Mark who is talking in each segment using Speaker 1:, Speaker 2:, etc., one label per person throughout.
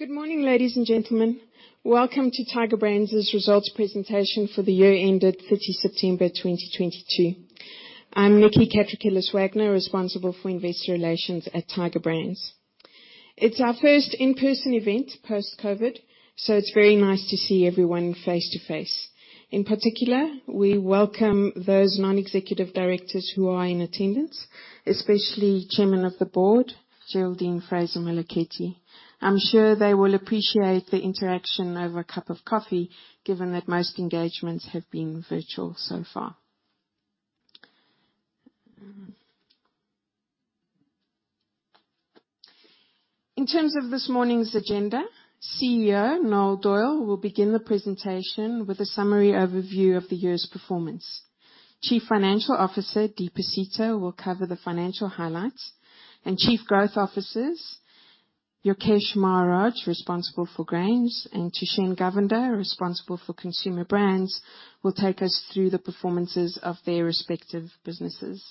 Speaker 1: Good morning, ladies and gentlemen. Welcome to Tiger Brands' results presentation for the year ended September 30, 2022. I'm Nikki Catrakilis-Wagner, responsible for investor relations at Tiger Brands. It's our first in-person event post-COVID, so it's very nice to see everyone face-to-face. In particular, we welcome those non-executive directors who are in attendance, especially Chairman of the Board, Geraldine Fraser-Moleketi. I'm sure they will appreciate the interaction over a cup of coffee, given that most engagements have been virtual so far. In terms of this morning's agenda, CEO Noel Doyle will begin the presentation with a summary overview of the year's performance. Chief Financial Officer, Deepa Sita, will cover the financial highlights. Chief Growth Officers, Yokesh Maharaj, responsible for grains, and Thushen Govender, responsible for consumer brands, will take us through the performances of their respective businesses.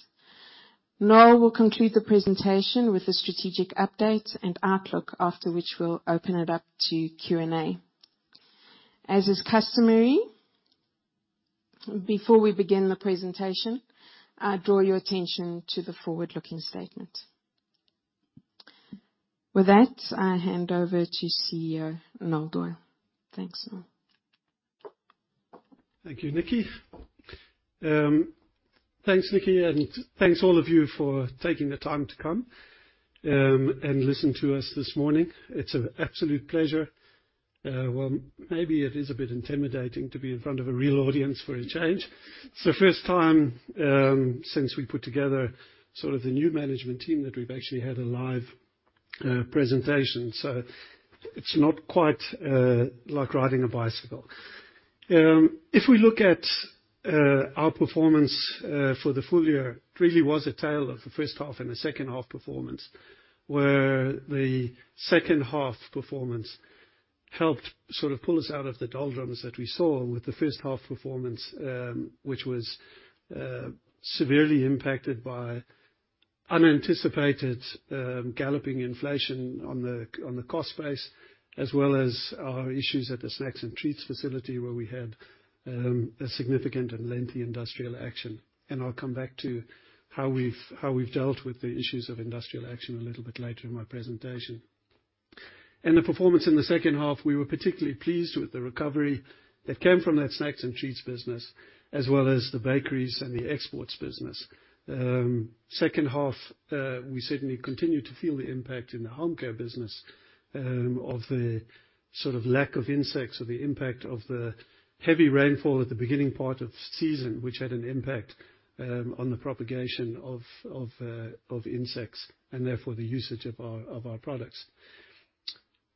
Speaker 1: Noel will conclude the presentation with a strategic update and outlook, after which we'll open it up to Q&A. As is customary, before we begin the presentation, I draw your attention to the forward-looking statement. With that, I hand over to CEO Noel Doyle. Thanks, Noel.
Speaker 2: Thank you, Nikki. Thanks, Nikki, and thanks all of you for taking the time to come and listen to us this morning. It's an absolute pleasure. Well, maybe it is a bit intimidating to be in front of a real audience for a change. It's the first time since we put together sort of the new management team that we've actually had a live presentation, so it's not quite like riding a bicycle. If we look at our performance for the full year, it really was a tale of the first half and the second half performance, where the second half performance helped sort of pull us out of the doldrums that we saw with the first half performance, which was severely impacted by unanticipated galloping inflation on the cost base, as well as our issues at the Snacks and Treats facility where we had a significant and lengthy industrial action. I'll come back to how we've dealt with the issues of industrial action a little bit later in my presentation. The performance in the second half, we were particularly pleased with the recovery that came from that Snacks and Treats business, as well as the bakeries and the exports business. Second half, we certainly continued to feel the impact in the Home Care business of the sort of lack of insects or the impact of the heavy rainfall at the beginning part of season, which had an impact on the propagation of insects and therefore the usage of our products.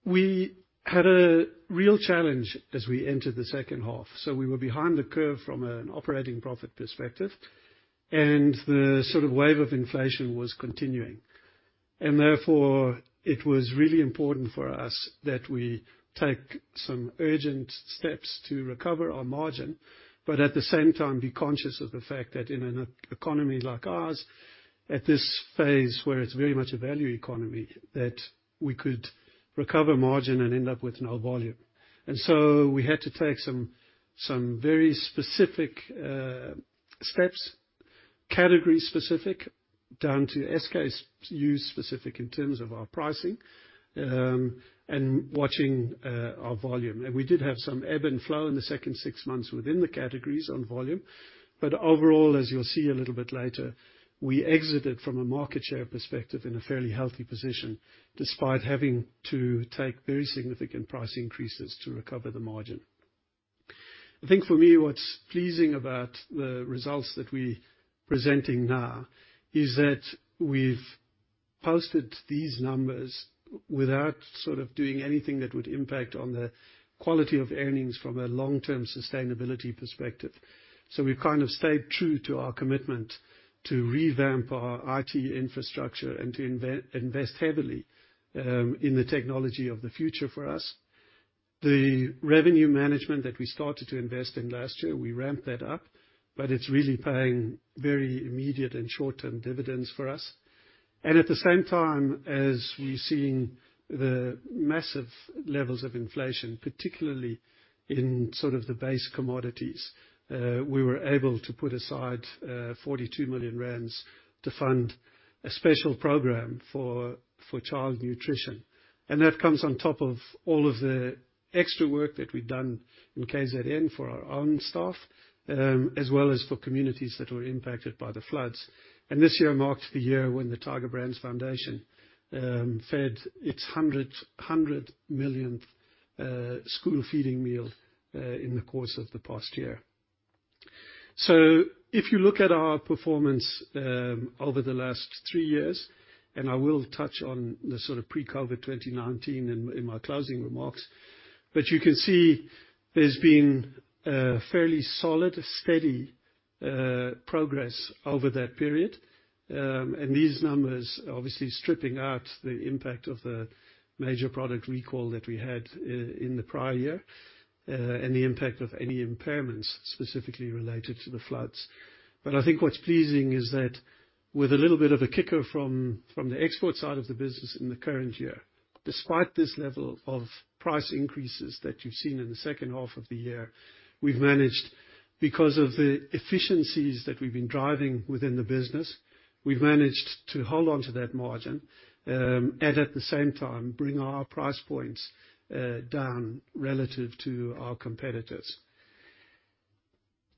Speaker 2: We had a real challenge as we entered the second half, so we were behind the curve from an operating profit perspective, and the sort of wave of inflation was continuing. Therefore, it was really important for us that we take some urgent steps to recover our margin, but at the same time, be conscious of the fact that in an e-economy like ours, at this phase, where it's very much a value economy, that we could recover margin and end up with no volume. We had to take some very specific steps, category-specific, down to SKU-specific in terms of our pricing, and watching our volume. We did have some ebb and flow in the second 6 months within the categories on volume. Overall, as you'll see a little bit later, we exited from a market share perspective in a fairly healthy position, despite having to take very significant price increases to recover the margin. I think for me, what's pleasing about the results that we're presenting now is that we've posted these numbers without sort of doing anything that would impact on the quality of earnings from a long-term sustainability perspective. We've kind of stayed true to our commitment to revamp our IT infrastructure and to invest heavily in the technology of the future for us. The revenue management that we started to invest in last year, we ramped that up, but it's really paying very immediate and short-term dividends for us. At the same time, as we're seeing the massive levels of inflation, particularly in sort of the base commodities, we were able to put aside 42 million rand to fund a special program for child nutrition. That comes on top of all of the extra work that we've done in KZN for our own staff, as well as for communities that were impacted by the floods. This year marked the year when the Tiger Brands Foundation fed its 100 millionth school feeding meal in the course of the past year. If you look at our performance, over the last three years, and I will touch on the sort of pre-COVID 2019 in my closing remarks, but you can see there's been fairly solid, steady progress over that period. These numbers, obviously stripping out the impact of the major product recall that we had in the prior year, and the impact of any impairments specifically related to the floods. I think what's pleasing is that with a little bit of a kicker from the export side of the business in the current year-Despite this level of price increases that you've seen in the second half of the year, we've managed... Because of the efficiencies that we've been driving within the business, we've managed to hold on to that margin, and at the same time, bring our price points down relative to our competitors.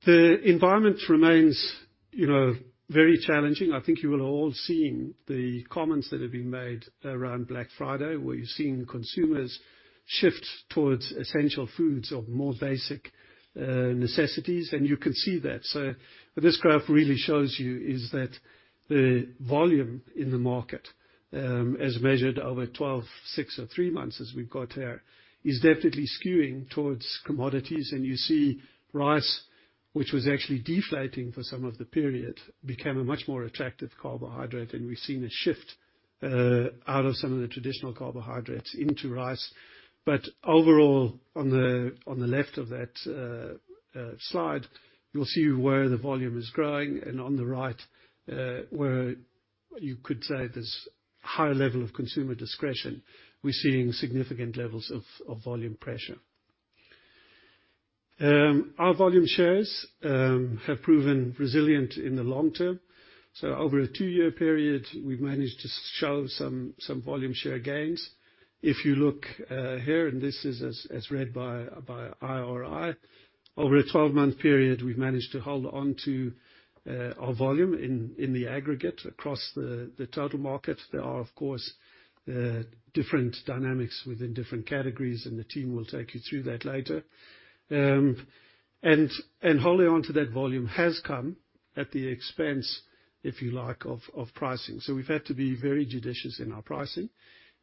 Speaker 2: The environment remains, you know, very challenging. I think you will have all seen the comments that have been made around Black Friday, where you're seeing consumers shift towards essential foods or more basic necessities, and you can see that. What this graph really shows you is that the volume in the market, as measured over 12, 6 or 3 months as we've got here, is definitely skewing towards commodities. You see rice, which was actually deflating for some of the period, became a much more attractive carbohydrate, and we've seen a shift out of some of the traditional carbohydrates into rice. Overall, on the left of that slide, you'll see where the volume is growing, and on the right, where you could say there's higher level of consumer discretion, we're seeing significant levels of volume pressure. Our volume shares have proven resilient in the long term, so over a two-year period, we've managed to show some volume share gains. If you look here, and this is as read by IRI, over a 12-month period, we've managed to hold on to our volume in the aggregate across the total market. There are, of course, different dynamics within different categories, and the team will take you through that later. Holding on to that volume has come at the expense, if you like, of pricing. We've had to be very judicious in our pricing,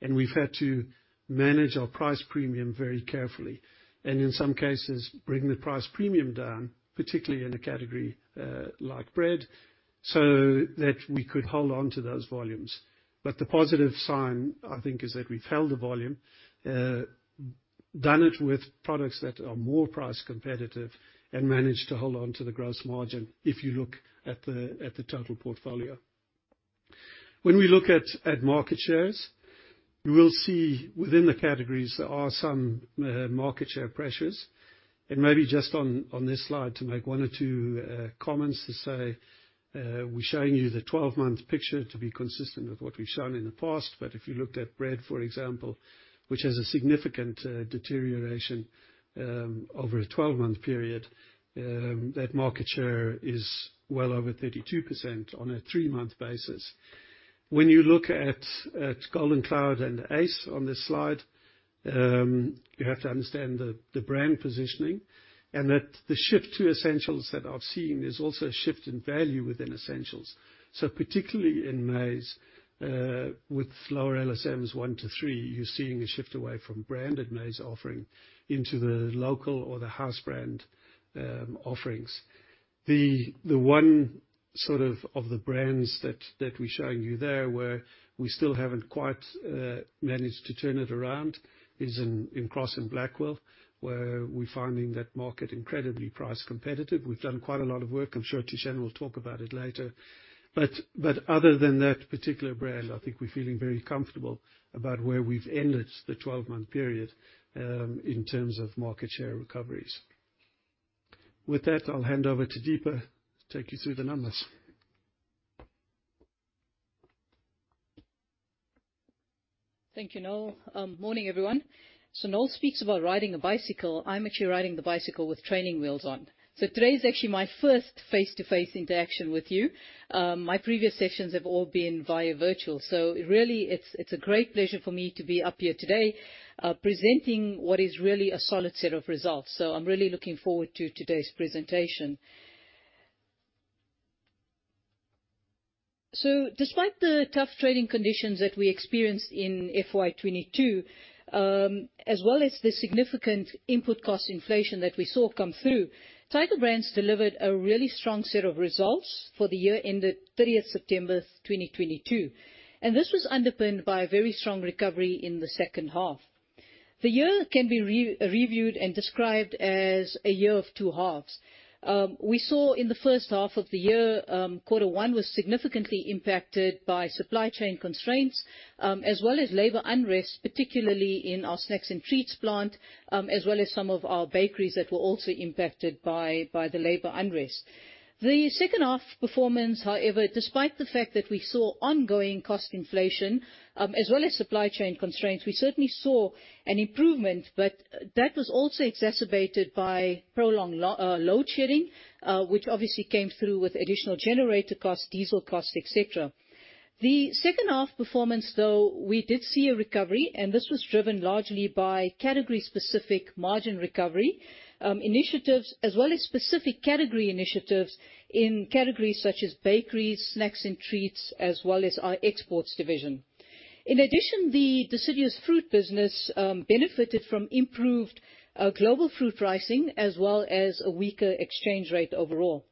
Speaker 2: and we've had to manage our price premium very carefully, and in some cases, bring the price premium down, particularly in a category, like bread, so that we could hold on to those volumes. The positive sign, I think, is that we've held the volume, done it with products that are more price competitive and managed to hold on to the gross margin if you look at the total portfolio. When we look at market shares, you will see within the categories there are some market share pressures. Maybe just on this slide, to make one or two comments to say, we're showing you the 12-month picture to be consistent with what we've shown in the past. If you looked at bread, for example, which has a significant deterioration, over a 12-month period, that market share is well over 32% on a 3-month basis. When you look at Golden Cloud and Ace on this slide, you have to understand the brand positioning and that the shift to essentials that I've seen is also a shift in value within essentials. Particularly in maize, with lower LSMs 1 to 3, you're seeing a shift away from branded maize offering into the local or the house brand offerings. The one sort of the brands we're showing you there, where we still haven't quite managed to turn it around, is in Crosse & Blackwell, where we're finding that market incredibly price competitive. We've done quite a lot of work. I'm sure Thushen will talk about it later. Other than that particular brand, I think we're feeling very comfortable about where we've ended the 12-month period, in terms of market share recoveries. With that, I'll hand over to Deepa to take you through the numbers.
Speaker 3: Thank you, Noel. Morning, everyone. Noel speaks about riding a bicycle. I'm actually riding the bicycle with training wheels on. Today is actually my first face-to-face interaction with you. My previous sessions have all been via virtual. Really, it's a great pleasure for me to be up here today, presenting what is really a solid set of results. I'm really looking forward to today's presentation. Despite the tough trading conditions that we experienced in FY 2022, as well as the significant input cost inflation that we saw come through, Tiger Brands delivered a really strong set of results for the year ended 30th September 2022, and this was underpinned by a very strong recovery in the second half. The year can be re-reviewed and described as a year of two halves. We saw in the first half of the year, quarter one was significantly impacted by supply chain constraints, as well as labor unrest, particularly in our Snacks and Treats plant, as well as some of our bakeries that were also impacted by the labor unrest. The second half performance, however, despite the fact that we saw ongoing cost inflation, as well as supply chain constraints, we certainly saw an improvement, but that was also exacerbated by prolonged load shedding, which obviously came through with additional generator costs, diesel costs, et cetera. The second half performance, though, we did see a recovery, and this was driven largely by category-specific margin recovery, initiatives, as well as specific category initiatives in categories such as bakeries, Snacks and Treats, as well as our exports division. In addition, the deciduous fruit business benefited from improved global fruit pricing, as well as a weaker exchange rate overall.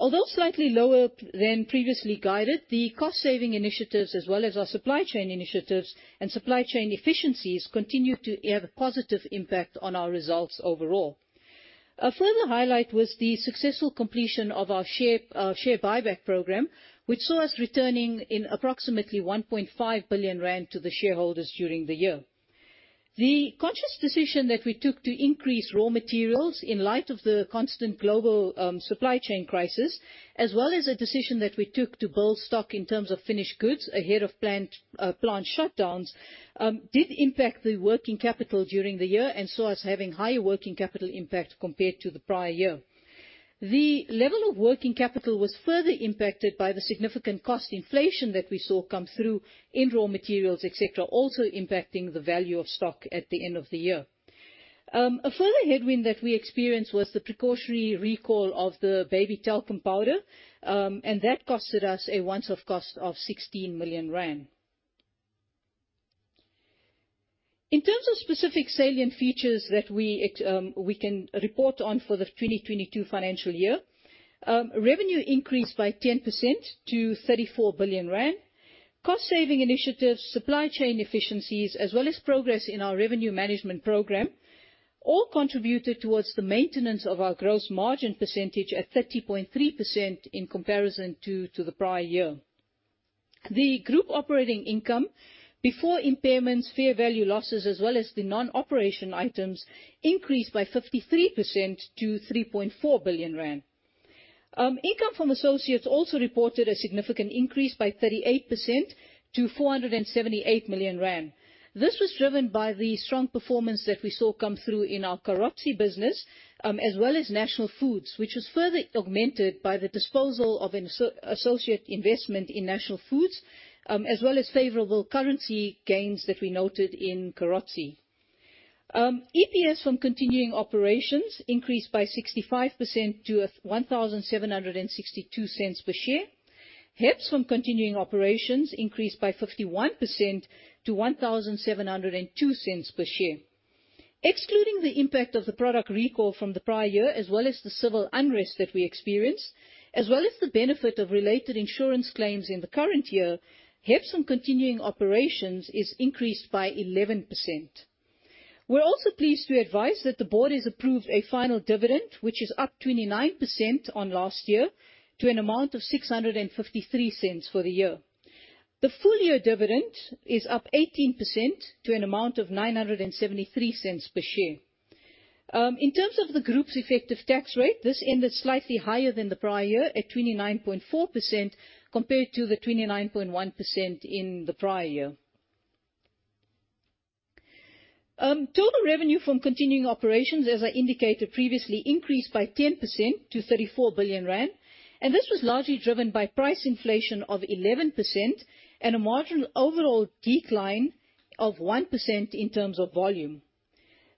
Speaker 3: Although slightly lower than previously guided, the cost-saving initiatives, as well as our supply chain initiatives and supply chain efficiencies, continue to have a positive impact on our results overall. A further highlight was the successful completion of our share buyback program, which saw us returning in approximately 1.5 billion rand to the shareholders during the year. The conscious decision that we took to increase raw materials in light of the constant global supply chain crisis, as well as a decision that we took to build stock in terms of finished goods ahead of plant shutdowns did impact the working capital during the year and saw us having higher working capital impact compared to the prior year. The level of working capital was further impacted by the significant cost inflation that we saw come through in raw materials, et cetera, also impacting the value of stock at the end of the year. A further headwind that we experienced was the precautionary recall of the baby talcum powder, and that costed us a once-off cost of 16 million rand. In terms of specific salient features that we can report on for the 2022 financial year, revenue increased by 10% to 34 billion rand. Cost saving initiatives, supply chain efficiencies, as well as progress in our revenue management program, all contributed towards the maintenance of our gross margin percentage at 30.3% in comparison to the prior year. The group operating income before impairments, fair value losses, as well as the non-operation items increased by 53% to 3.4 billion rand. Income from associates also reported a significant increase by 38% to 478 million rand. This was driven by the strong performance that we saw come through in our Carozzi business, as well as National Foods, which was further augmented by the disposal of an associate investment in National Foods, as well as favorable currency gains that we noted in Carozzi. EPS from continuing operations increased by 65% to 1,762 cents per share. HEPS from continuing operations increased by 51% to 1,702 cents per share. Excluding the impact of the product recall from the prior year, as well as the civil unrest that we experienced, as well as the benefit of related insurance claims in the current year, HEPS from continuing operations is increased by 11%. We're also pleased to advise that the board has approved a final dividend, which is up 29% on last year to an amount of 6.53 for the year. The full year dividend is up 18% to an amount of 9.73 per share. In terms of the group's effective tax rate, this ended slightly higher than the prior year at 29.4% compared to the 29.1% in the prior year. Total revenue from continuing operations, as I indicated previously, increased by 10% to 34 billion rand. This was largely driven by price inflation of 11% and a marginal overall decline of 1% in terms of volume.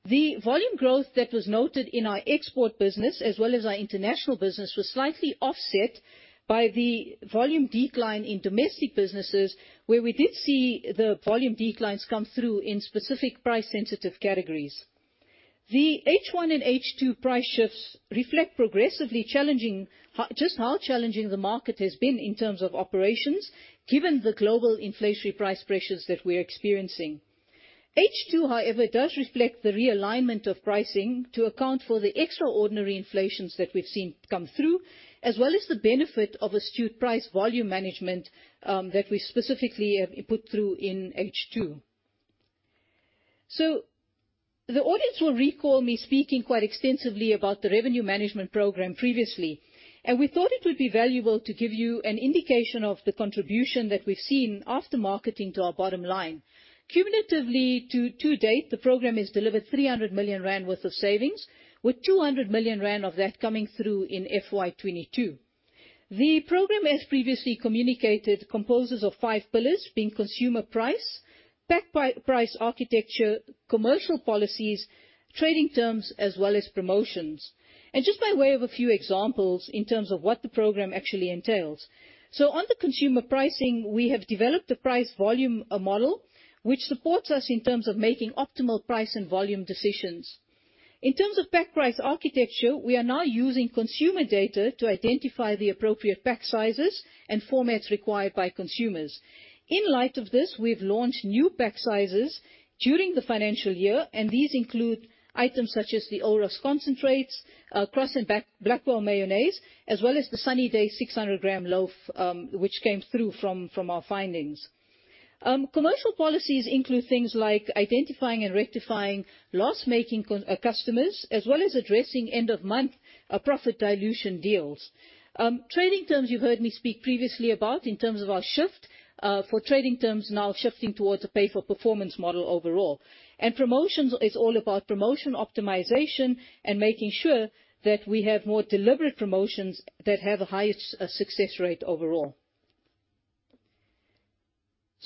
Speaker 3: The volume growth that was noted in our export business as well as our international business was slightly offset by the volume decline in domestic businesses, where we did see the volume declines come through in specific price-sensitive categories. The H1 and H2 price shifts reflect progressively just how challenging the market has been in terms of operations, given the global inflationary price pressures that we're experiencing. H2, however, does reflect the realignment of pricing to account for the extraordinary inflations that we've seen come through, as well as the benefit of astute price volume management that we specifically have put through in H2. The audience will recall me speaking quite extensively about the revenue management program previously, and we thought it would be valuable to give you an indication of the contribution that we've seen after marketing to our bottom line. Cumulatively to date, the program has delivered 300 million rand worth of savings, with 200 million rand of that coming through in FY 2022. The program, as previously communicated, composes of 5 pillars, being consumer price, pack price architecture, commercial policies, trading terms, as well as promotions. Just by way of a few examples in terms of what the program actually entails. On the consumer pricing, we have developed a price volume model which supports us in terms of making optimal price and volume decisions. In terms of pack price architecture, we are now using consumer data to identify the appropriate pack sizes and formats required by consumers. In light of this, we've launched new pack sizes during the financial year, and these include items such as the Oros concentrates, Crosse & Blackwell mayonnaise, as well as the Sunbake 600 gram loaf, which came through from our findings. Commercial policies include things like identifying and rectifying loss-making customers, as well as addressing end-of-month profit dilution deals. Trading terms you heard me speak previously about in terms of our shift for trading terms now shifting towards a pay-for-performance model overall. Promotions is all about promotion optimization and making sure that we have more deliberate promotions that have a higher success rate overall.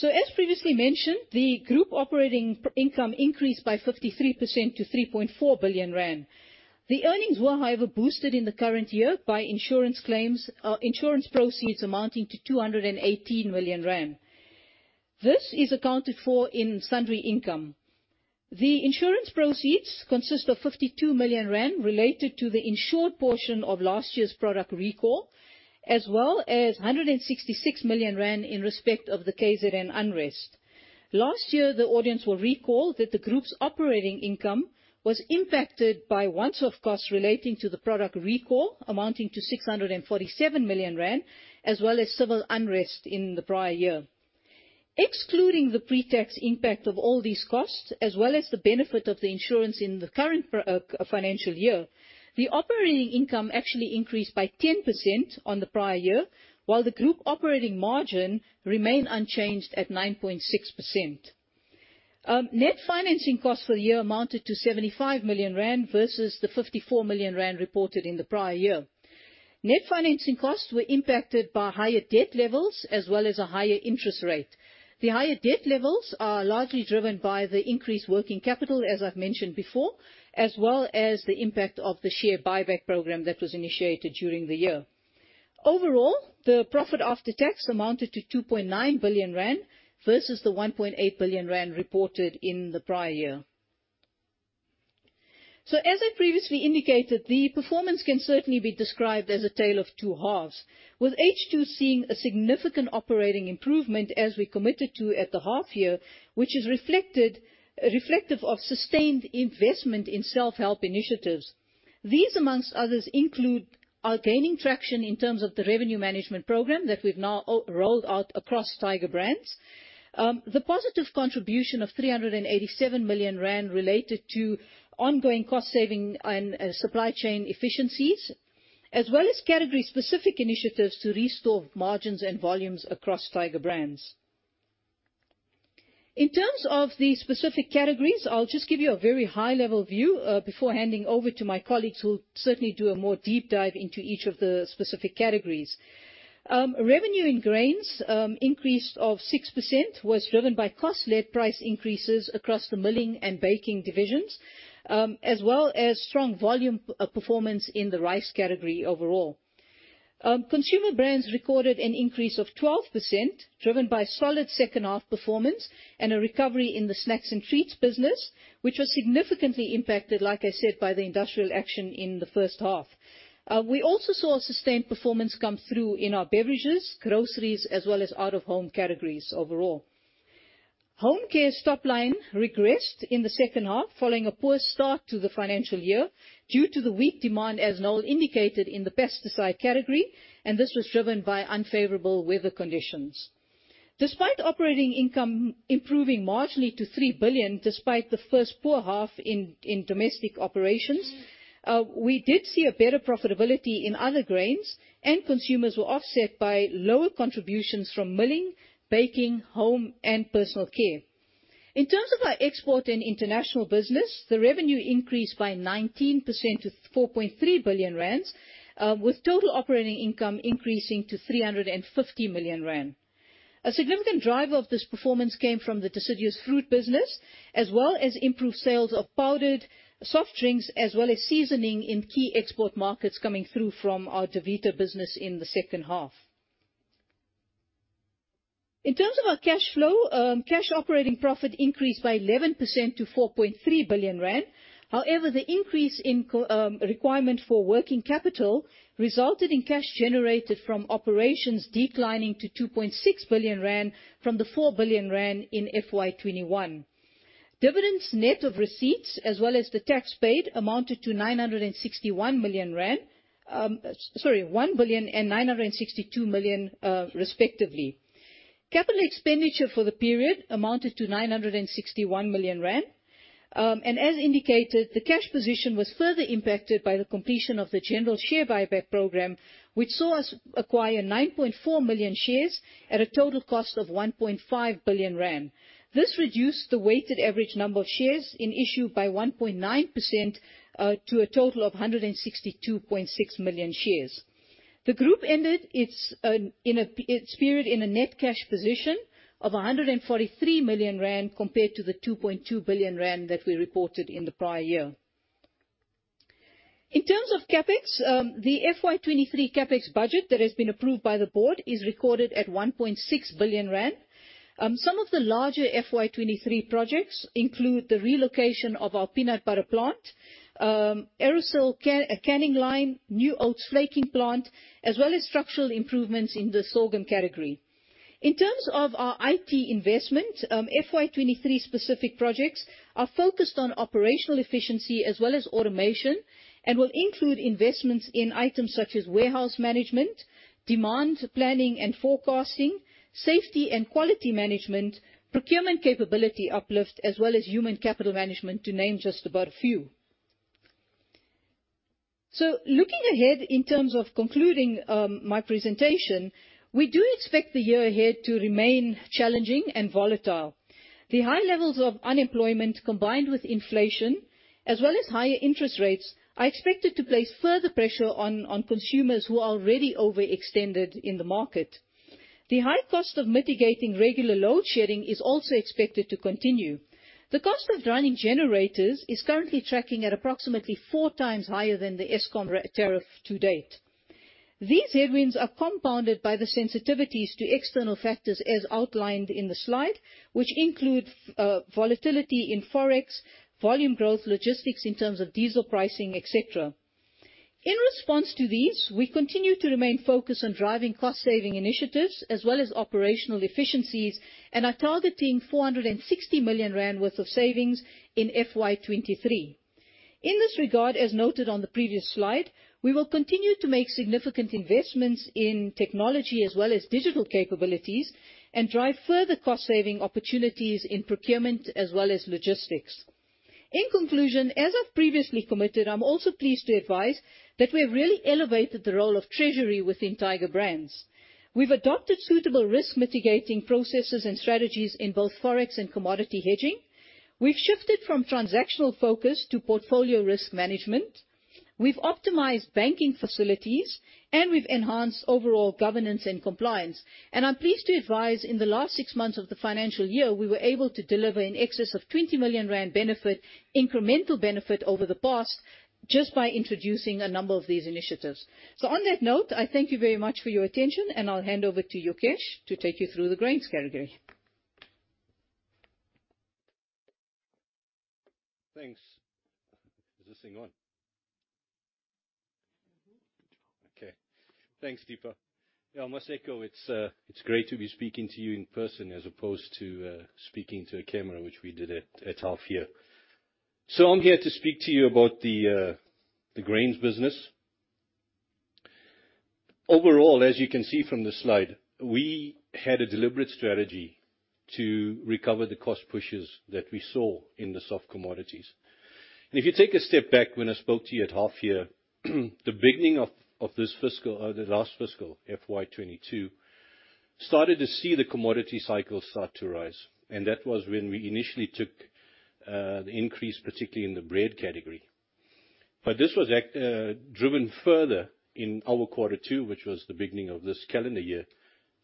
Speaker 3: As previously mentioned, the group operating income increased by 53% to 3.4 billion rand. The earnings were, however, boosted in the current year by insurance claims, insurance proceeds amounting to 218 million rand. This is accounted for in sundry income. The insurance proceeds consist of 52 million rand related to the insured portion of last year's product recall, as well as 166 million rand in respect of the KZN unrest. Last year, the audience will recall that the group's operating income was impacted by once-off costs relating to the product recall, amounting to 647 million rand, as well as civil unrest in the prior year. Excluding the pre-tax impact of all these costs as well as the benefit of the insurance in the current financial year, the operating income actually increased by 10% on the prior year, while the group operating margin remained unchanged at 9.6%. Net financing costs for the year amounted to 75 million rand versus the 54 million rand reported in the prior year. Net financing costs were impacted by higher debt levels as well as a higher interest rate. The higher debt levels are largely driven by the increased working capital, as I've mentioned before, as well as the impact of the share buyback program that was initiated during the year. Overall, the profit after tax amounted to 2.9 billion rand versus the 1.8 billion rand reported in the prior year. As I previously indicated, the performance can certainly be described as a tale of two halves, with H2 seeing a significant operating improvement as we committed to at the half year, which is reflective of sustained investment in self-help initiatives. The positive contribution of 387 million rand related to ongoing cost saving and supply chain efficiencies, as well as category-specific initiatives to restore margins and volumes across Tiger Brands. In terms of the specific categories, I'll just give you a very high level view before handing over to my colleagues, who will certainly do a more deep dive into each of the specific categories. Revenue in Grains, increase of 6% was driven by cost-led price increases across the Milling and Baking divisions, as well as strong volume performance in the rice category overall. Consumer Brands recorded an increase of 12%, driven by solid second half performance and a recovery in the Snacks and Treats business, which was significantly impacted, like I said, by the industrial action in the first half. We also saw a sustained performance come through in our beverages, groceries, as well as out-of-home categories overall. Home Care top line regressed in the second half, following a poor start to the financial year due to the weak demand, as Noel indicated, in the pesticide category. This was driven by unfavorable weather conditions. Despite operating income improving marginally to 3 billion, despite the first poor half in domestic operations, we did see a better profitability in other grains, and consumers were offset by lower contributions from Milling and Baking, Home Care. In terms of our export and international business, the revenue increased by 19% to 4.3 billion rand, with total operating income increasing to 350 million rand. A significant driver of this performance came from the deciduous fruit business, as well as improved sales of powdered soft drinks, as well as seasoning in key export markets coming through from our DA VITA business in the second half. In terms of our cash flow, cash operating profit increased by 11% to 4.3 billion rand. However, the increase in requirement for working capital resulted in cash generated from operations declining to 2.6 billion rand from the 4 billion rand in FY 2021. Dividends net of receipts, as well as the tax paid, amounted to 961 million rand. Sorry, 1.962 billion, respectively. Capital expenditure for the period amounted to 961 million rand. As indicated, the cash position was further impacted by the completion of the general share buyback program, which saw us acquire 9.4 million shares at a total cost of 1.5 billion rand. This reduced the weighted average number of shares in issue by 1.9% to a total of 162.6 million shares. The group ended its its period in a net cash position of 143 million rand compared to the 2.2 billion rand that we reported in the prior year. In terms of CapEx, the FY 2023 CapEx budget that has been approved by the board is recorded at 1.6 billion rand. Some of the larger FY 2023 projects include the relocation of our peanut butter plant, aerosol canning line, new oats flaking plant, as well as structural improvements in the sorghum category. In terms of our IT investment, FY 2023 specific projects are focused on operational efficiency as well as automation, and will include investments in items such as warehouse management, demand planning and forecasting, safety and quality management, procurement capability uplift, as well as human capital management, to name just but a few. Looking ahead in terms of concluding, my presentation, we do expect the year ahead to remain challenging and volatile. The high levels of unemployment, combined with inflation as well as higher interest rates, are expected to place further pressure on consumers who are already overextended in the market. The high cost of mitigating regular load shedding is also expected to continue. The cost of running generators is currently tracking at approximately 4 times higher than the Eskom tariff to date. These headwinds are compounded by the sensitivities to external factors as outlined in the slide, which include volatility in Forex, volume growth, logistics in terms of diesel pricing, etc. In response to these, we continue to remain focused on driving cost-saving initiatives as well as operational efficiencies, and are targeting 460 million rand worth of savings in FY 23. In this regard, as noted on the previous slide, we will continue to make significant investments in technology as well as digital capabilities and drive further cost-saving opportunities in procurement as well as logistics. In conclusion, as I've previously committed, I'm also pleased to advise that we have really elevated the role of treasury within Tiger Brands. We've adopted suitable risk mitigating processes and strategies in both Forex and commodity hedging. We've shifted from transactional focus to portfolio risk management. We've optimized banking facilities, and we've enhanced overall governance and compliance. I'm pleased to advise in the last six months of the financial year, we were able to deliver in excess of 20 million rand benefit, incremental benefit over the past, just by introducing a number of these initiatives. On that note, I thank you very much for your attention, and I'll hand over to Yokesh to take you through the Grains category.
Speaker 4: Thanks. Is this thing on?
Speaker 3: Mm-hmm.
Speaker 4: Okay. Thanks, Deepa. Yeah, I must echo, it's great to be speaking to you in person as opposed to speaking to a camera, which we did at half year. I'm here to speak to you about the Grains business. Overall, as you can see from the slide, we had a deliberate strategy to recover the cost pushes that we saw in the soft commodities. If you take a step back, when I spoke to you at half year, the beginning of this fiscal or the last fiscal, FY 22, started to see the commodity cycle start to rise, and that was when we initially took the increase, particularly in the bread category. This was driven further in our quarter two, which was the beginning of this calendar year,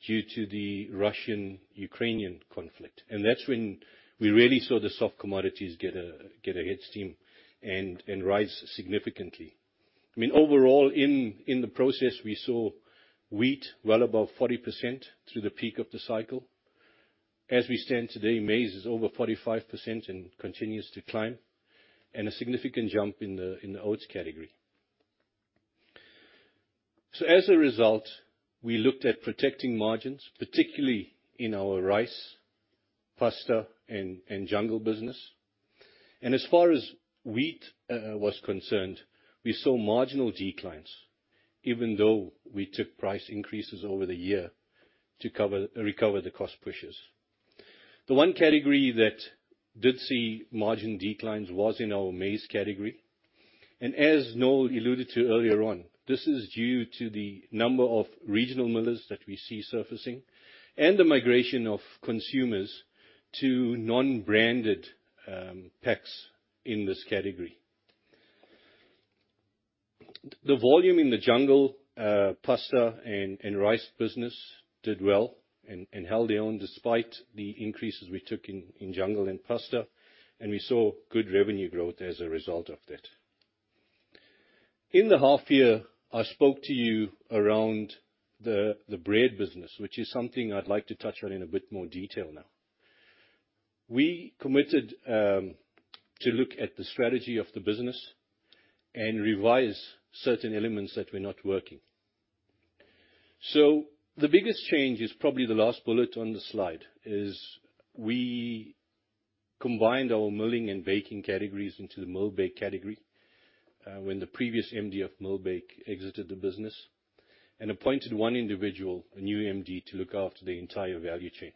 Speaker 4: due to the Russian-Ukrainian conflict. That's when we really saw the soft commodities get a head of steam and rise significantly. I mean, overall in the process, we saw wheat well above 40% through the peak of the cycle. As we stand today, maize is over 45% and continues to climb, and a significant jump in the oats category. As a result, we looked at protecting margins, particularly in our rice, pasta, and Jungle business. As far as wheat was concerned, we saw marginal declines even though we took price increases over the year to recover the cost pushes. The one category that did see margin declines was in our maize category. As Noel alluded to earlier on, this is due to the number of regional millers that we see surfacing and the migration of consumers to non-branded packs in this category. The volume in the Jungle pasta and rice business did well and held their own, despite the increases we took in Jungle and pasta. We saw good revenue growth as a result of that. In the half year, I spoke to you around the bread business, which is something I'd like to touch on in a bit more detail now. We committed to look at the strategy of the business and revise certain elements that were not working. The biggest change is probably the last bullet on the slide, is we combined our Milling and Baking categories into the Millbake category, when the previous MD of Millbake exited the business and appointed 1 individual, a new MD, to look after the entire value chain.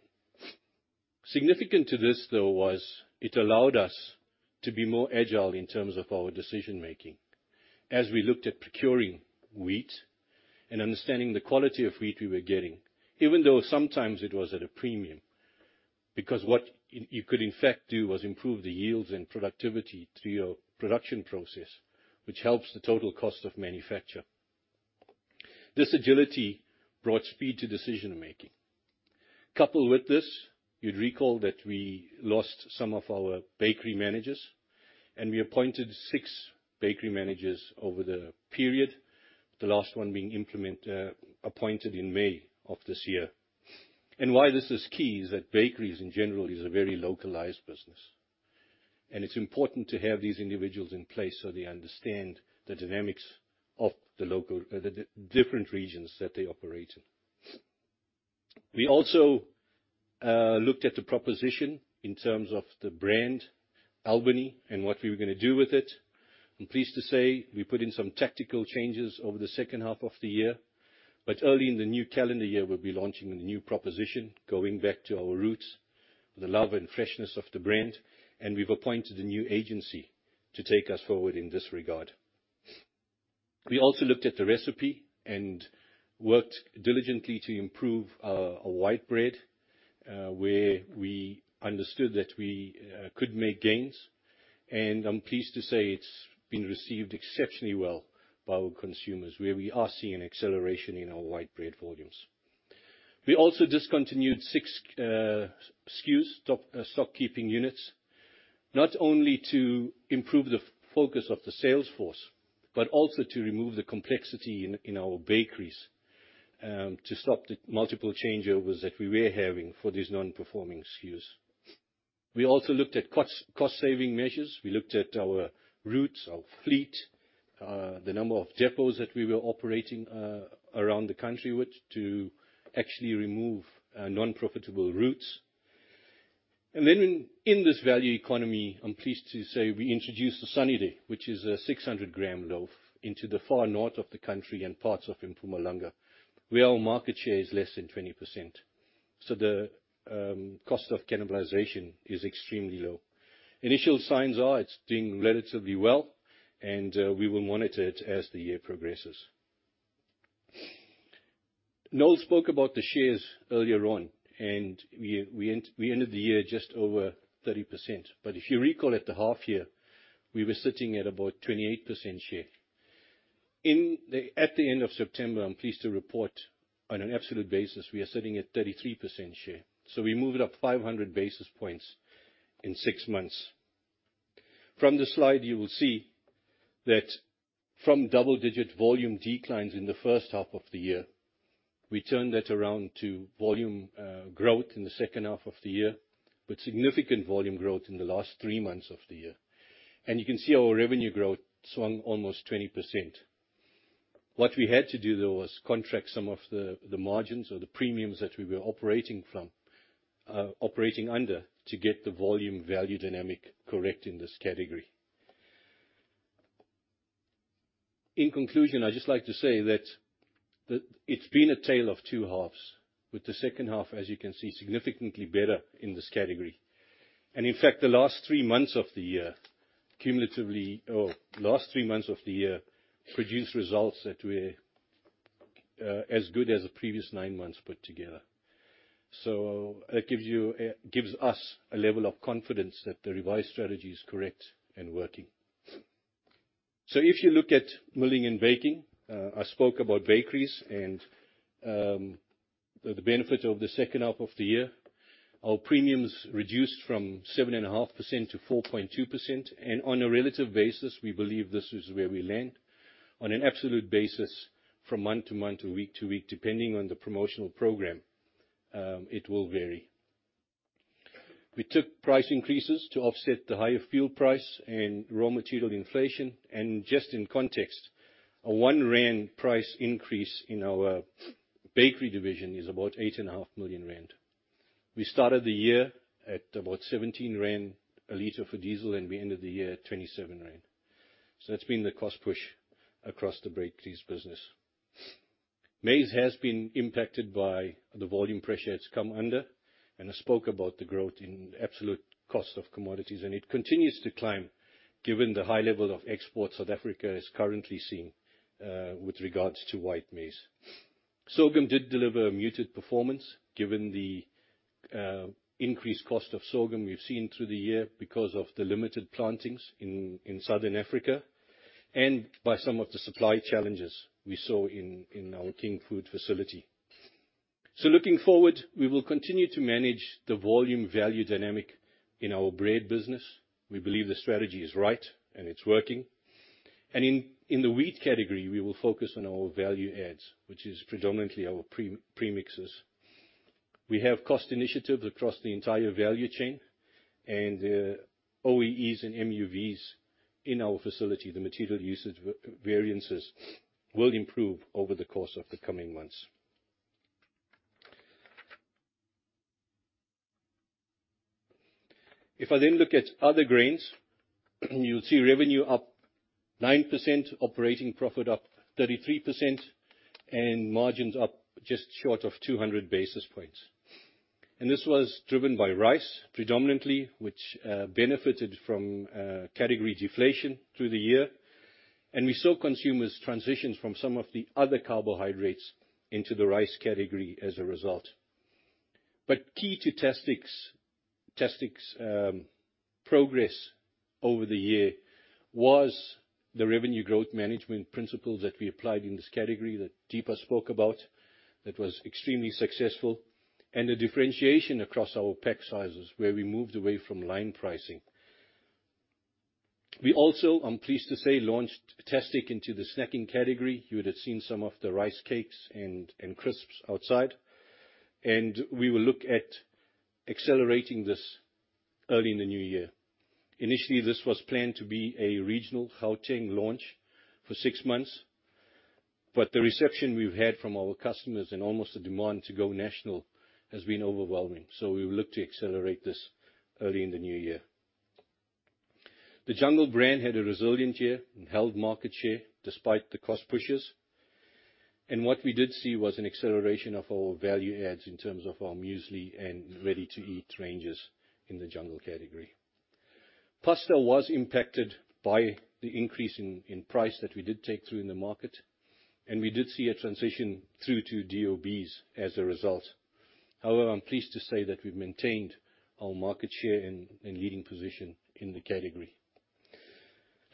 Speaker 4: Significant to this though was it allowed us to be more agile in terms of our decision-making as we looked at procuring wheat and understanding the quality of wheat we were getting, even though sometimes it was at a premium, because what you could in fact do was improve the yields and productivity through your production process, which helps the total cost of manufacture. This agility brought speed to decision-making. Coupled with this, you'd recall that we lost some of our bakery managers and we appointed 6 bakery managers over the period, the last one being. appointed in May of this year. Why this is key is that bakeries in general is a very localized business, and it's important to have these individuals in place so they understand the dynamics of the local different regions that they operate in. We also looked at the proposition in terms of the brand Albany and what we were gonna do with it. I'm pleased to say we put in some tactical changes over the second half of the year. Early in the new calendar year, we'll be launching a new proposition, going back to our roots, the love and freshness of the brand, and we've appointed a new agency to take us forward in this regard. We also looked at the recipe and worked diligently to improve our white bread, where we understood that we could make gains. I'm pleased to say it's been received exceptionally well by our consumers, where we are seeing an acceleration in our white bread volumes. We also discontinued 6 SKUs, stock keeping units, not only to improve the focus of the sales force, but also to remove the complexity in our bakeries, to stop the multiple changeovers that we were having for these non-performing SKUs. We also looked at cost saving measures. We looked at our routes, our fleet, the number of depots that we were operating around the country with to actually remove non-profitable routes. In this value economy, I'm pleased to say we introduced the Sunny Day, which is a 600 gram loaf into the far north of the country and parts of Mpumalanga, where our market share is less than 20%. The cost of cannibalization is extremely low. Initial signs are it's doing relatively well, and we will monitor it as the year progresses. Noel spoke about the shares earlier on. We ended the year just over 30%. If you recall, at the half year, we were sitting at about 28% share. At the end of September, I'm pleased to report on an absolute basis, we are sitting at 33% share. We moved it up 500 basis points in 6 months. From this slide, you will see that from double-digit volume declines in the first half of the year, we turned that around to volume growth in the second half of the year, with significant volume growth in the last 3 months of the year. You can see our revenue growth swung almost 20%. What we had to do, though, was contract some of the margins or the premiums that we were operating from, operating under to get the volume value dynamic correct in this category. In conclusion, I'd just like to say that it's been a tale of two halves, with the second half, as you can see, significantly better in this category. In fact, the last three months of the year produced results that were as good as the previous nine months put together. That gives you, gives us a level of confidence that the revised strategy is correct and working. If you look at Milling and Baking, I spoke about bakeries and the benefit of the second half of the year. Our premiums reduced from 7.5% to 4.2%. On a relative basis, we believe this is where we land. On an absolute basis from month to month or week to week, depending on the promotional program, it will vary. We took price increases to offset the higher fuel price and raw material inflation. Just in context, a 1 rand price increase in our bakery division is about eight and a half million ZAR. We started the year at about 17 rand a liter for diesel, and we ended the year at 27 rand. That's been the cost push across the bakeries business. Maize has been impacted by the volume pressure it's come under. I spoke about the growth in absolute cost of commodities, and it continues to climb given the high level of exports South Africa is currently seeing with regards to white maize. Sorghum did deliver a muted performance given the increased cost of sorghum we've seen through the year because of the limited plantings in Southern Africa and by some of the supply challenges we saw in our King Foods facility. Looking forward, we will continue to manage the volume value dynamic in our bread business. We believe the strategy is right and it's working. In the wheat category, we will focus on our value adds, which is predominantly our pre-premixes. We have cost initiatives across the entire value chain and OEEs and MUVs in our facility. The material usage variances will improve over the course of the coming months. I look at other grains, you'll see revenue up 9%, operating profit up 33%, and margins up just short of 200 basis points. This was driven by rice predominantly, which benefited from category deflation through the year. We saw consumers transition from some of the other carbohydrates into the rice category as a result. Key to Tastic's progress over the year was the revenue growth management principles that we applied in this category that Deepa spoke about that was extremely successful, and the differentiation across our pack sizes, where we moved away from line pricing. We also, I'm pleased to say, launched Tastic into the snacking category. You would have seen some of the rice cakes and crisps outside. We will look at accelerating this early in the new year. Initially, this was planned to be a regional Gauteng launch for six months. The reception we've had from our customers and almost the demand to go national has been overwhelming. We will look to accelerate this early in the new year. The Jungle brand had a resilient year and held market share despite the cost pushes. What we did see was an acceleration of our value adds in terms of our muesli and ready-to-eat ranges in the Jungle category. Pasta was impacted by the increase in price that we did take through in the market, and we did see a transition through to DOBs as a result. I'm pleased to say that we've maintained our market share and leading position in the category.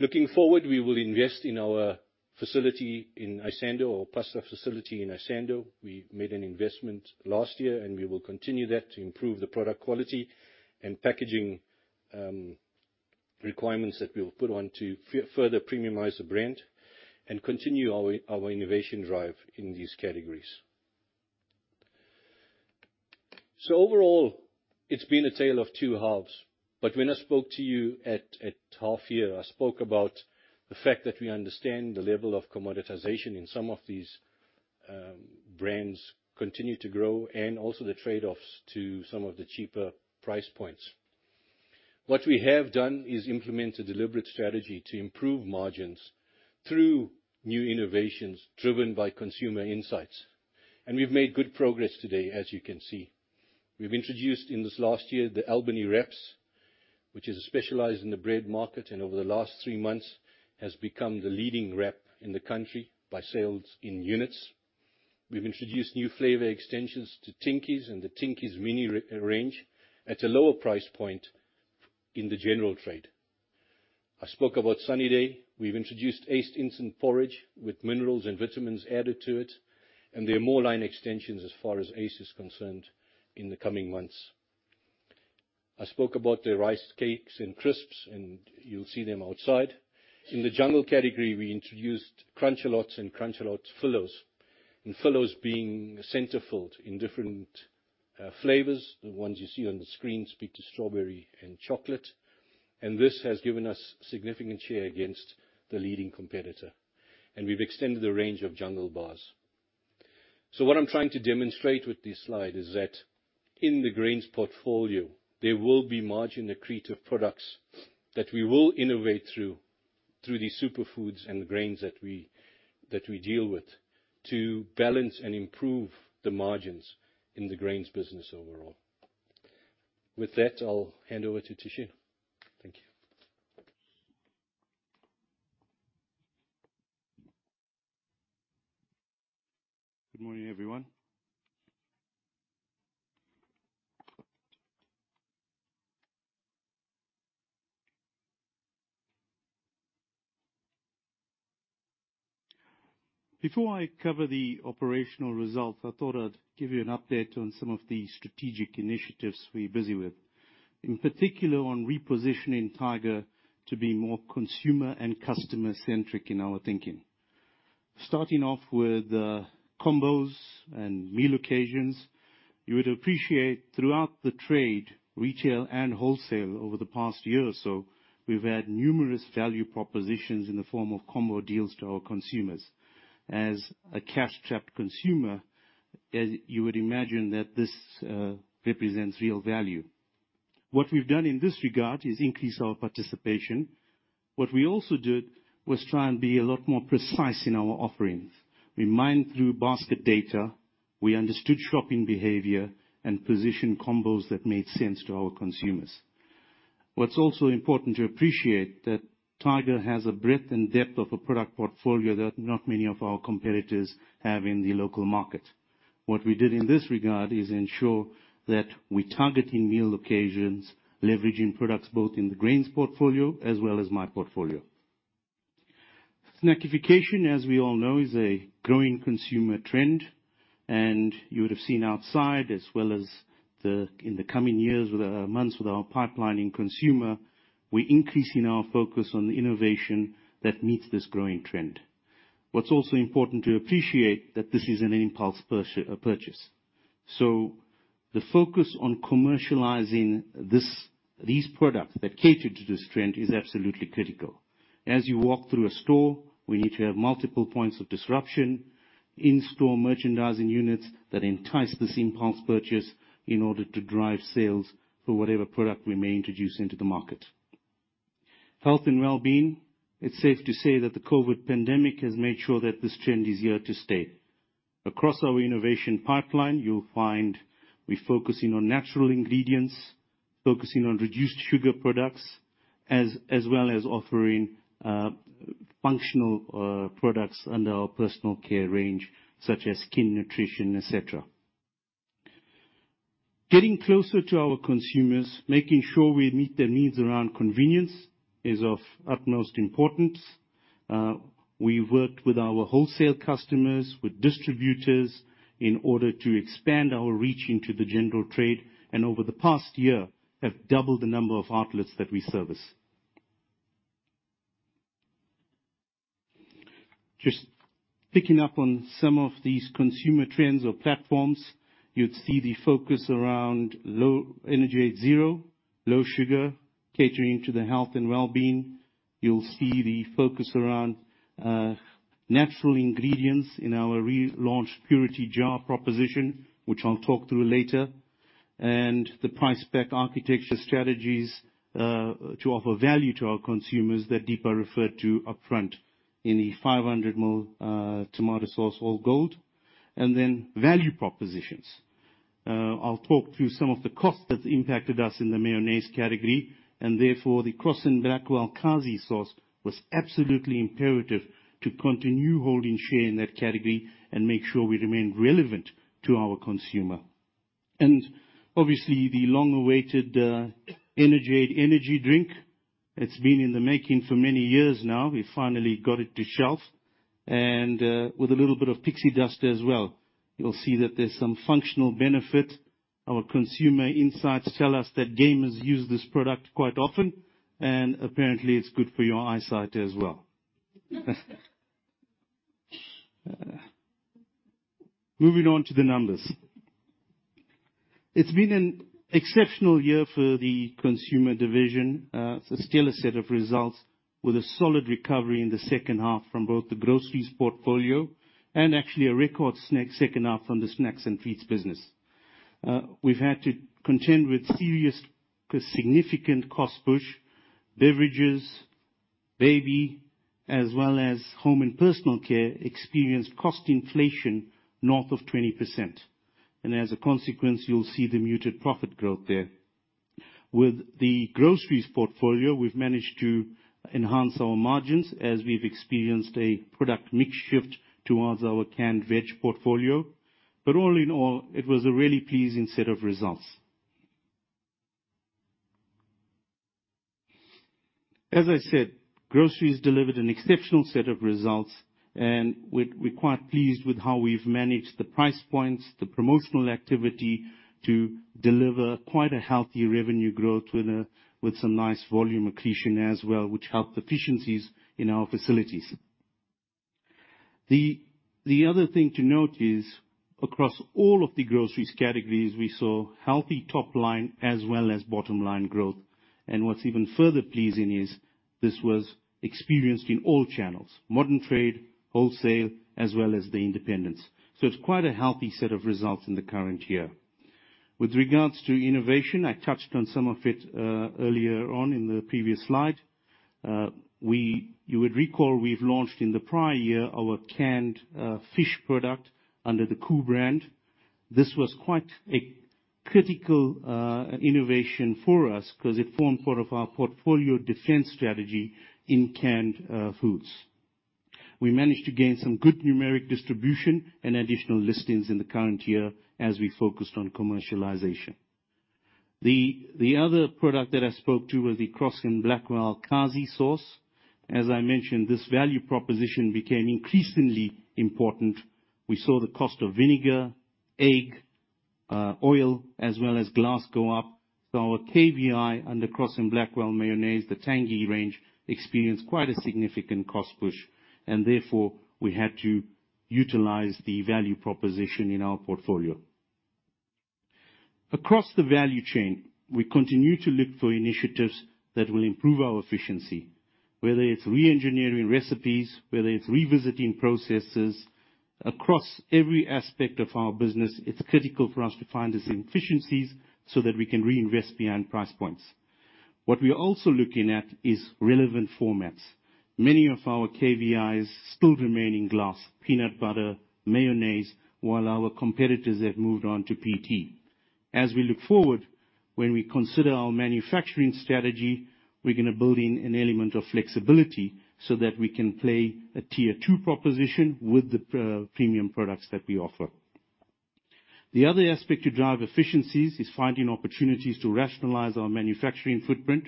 Speaker 4: Looking forward, we will invest in our facility in Isando, our plastic facility in Isando. We made an investment last year, and we will continue that to improve the product quality and packaging requirements that we'll put on to further premiumize the brand and continue our innovation drive in these categories. Overall, it's been a tale of two halves, but when I spoke to you at half year, I spoke about the fact that we understand the level of commoditization in some of these brands continue to grow and also the trade-offs to some of the cheaper price points. What we have done is implement a deliberate strategy to improve margins through new innovations driven by consumer insights, and we've made good progress today, as you can see. We've introduced in this last year the Albany Wraps, which is specialized in the bread market. Over the last 3 months has become the leading wrap in the country by sales in units. We've introduced new flavor extensions to Tinkies and the Tinkies Minis at a lower price point in the general trade. I spoke about Sunny Day. We've introduced Ace Instant Porridge with minerals and vitamins added to it. There are more line extensions as far as Ace is concerned in the coming months. I spoke about the rice cakes and crisps. You'll see them outside. In the Jungle category, we introduced Krunchalots and Krunchalots Fillows. Fillows being center-filled in different flavors. The ones you see on the screen speak to strawberry and chocolate. This has given us significant share against the leading competitor. We've extended the range of Jungle bars. What I'm trying to demonstrate with this slide is that in the grains portfolio, there will be margin-accretive products that we will innovate through these superfoods and grains that we deal with to balance and improve the margins in the grains business overall. With that, I'll hand over to Thushen. Thank you.
Speaker 5: Good morning, everyone. Before I cover the operational results, I thought I'd give you an update on some of the strategic initiatives we're busy with. In particular, on repositioning Tiger to be more consumer and customer-centric in our thinking. Starting off with combos and meal occasions, you would appreciate throughout the trade, retail, and wholesale over the past year or so, we've had numerous value propositions in the form of combo deals to our consumers. As a cash-strapped consumer, as you would imagine, that this represents real value. What we've done in this regard is increase our participation. What we also did was try and be a lot more precise in our offerings. We mined through basket data, we understood shopping behavior, and positioned combos that made sense to our consumers.
Speaker 6: What's also important to appreciate that Tiger has a breadth and depth of a product portfolio that not many of our competitors have in the local market. What we did in this regard is ensure that we're targeting meal occasions, leveraging products both in the grains portfolio as well as my portfolio. Snackification, as we all know, is a growing consumer trend. You would have seen outside as well as in the coming months with our pipeline in consumer, we're increasing our focus on innovation that meets this growing trend. What's also important to appreciate that this is an impulse purchase. The focus on commercializing these products that cater to this trend is absolutely critical. You walk through a store, we need to have multiple points of disruption, in-store merchandising units that entice this impulse purchase in order to drive sales for whatever product we may introduce into the market. Health and wellbeing. It's safe to say that the COVID pandemic has made sure that this trend is here to stay. Across our innovation pipeline, you'll find we're focusing on natural ingredients, focusing on reduced sugar products, as well as offering functional products under our personal care range, such as skin nutrition, et cetera. Getting closer to our consumers, making sure we meet their needs around convenience is of utmost importance. We worked with our wholesale customers, with distributors in order to expand our reach into the general trade, over the past year, have doubled the number of outlets that we service.
Speaker 5: Just picking up on some of these consumer trends or platforms, you'd see the focus around low energy 80, low sugar, catering to the health and wellbeing. You'll see the focus around natural ingredients in our relaunched Purity jar proposition, which I'll talk through later, and the price pack architecture strategies to offer value to our consumers that Deepa referred to upfront in the 500 ml tomato sauce All Gold, and then value propositions. I'll talk through some of the costs that impacted us in the mayonnaise category, and therefore, the Crosse & Blackwell Kasi Magic Sauce was absolutely imperative to continue holding share in that category and make sure we remain relevant to our consumer. Obviously, the long-awaited Energade energy drink. It's been in the making for many years now. We finally got it to shelf, and, with a little bit of pixie dust as well. You'll see that there's some functional benefit. Our consumer insights tell us that gamers use this product quite often, and apparently, it's good for your eyesight as well. Moving on to the numbers. It's been an exceptional year for the consumer division. It's still a set of results with a solid recovery in the second half from both the groceries portfolio and actually a record snack second half from the Snacks and Treats business. We've had to contend with serious significant cost push, beverages, baby, as well as home and personal care experienced cost inflation north of 20%. As a consequence, you'll see the muted profit growth there. With the groceries portfolio, we've managed to enhance our margins as we've experienced a product mix shift towards our canned veg portfolio. All in all, it was a really pleasing set of results. As I said, groceries delivered an exceptional set of results. We're quite pleased with how we've managed the price points, the promotional activity to deliver quite a healthy revenue growth with some nice volume accretion as well, which helped efficiencies in our facilities. The other thing to note is across all of the groceries categories, we saw healthy top line as well as bottom line growth. What's even further pleasing is this was experienced in all channels, modern trade, wholesale, as well as the independents. It's quite a healthy set of results in the current year.
Speaker 6: With regards to innovation, I touched on some of it earlier on in the previous slide. You would recall we've launched in the prior year our canned fish product under the Koo brand. This was quite a critical innovation for us 'cause it formed part of our portfolio defense strategy in canned foods. We managed to gain some good numeric distribution and additional listings in the current year as we focused on commercialization. The other product that I spoke to was the Crosse & Blackwell Kasi Magic. As I mentioned, this value proposition became increasingly important. We saw the cost of vinegar, egg, oil, as well as glass go up. Our KVI under Crosse & Blackwell mayonnaise, the Tangy range, experienced quite a significant cost push, and therefore, we had to utilize the value proposition in our portfolio. Across the value chain, we continue to look for initiatives that will improve our efficiency, whether it's reengineering recipes, whether it's revisiting processes. Across every aspect of our business, it's critical for us to find these efficiencies so that we can reinvest beyond price points. What we are also looking at is relevant formats. Many of our KVIs still remain in glass, peanut butter, mayonnaise, while our competitors have moved on to PT. As we look forward, when we consider our manufacturing strategy, we're gonna build in an element of flexibility so that we can play a tier two proposition with the premium products that we offer. The other aspect to drive efficiencies is finding opportunities to rationalize our manufacturing footprint.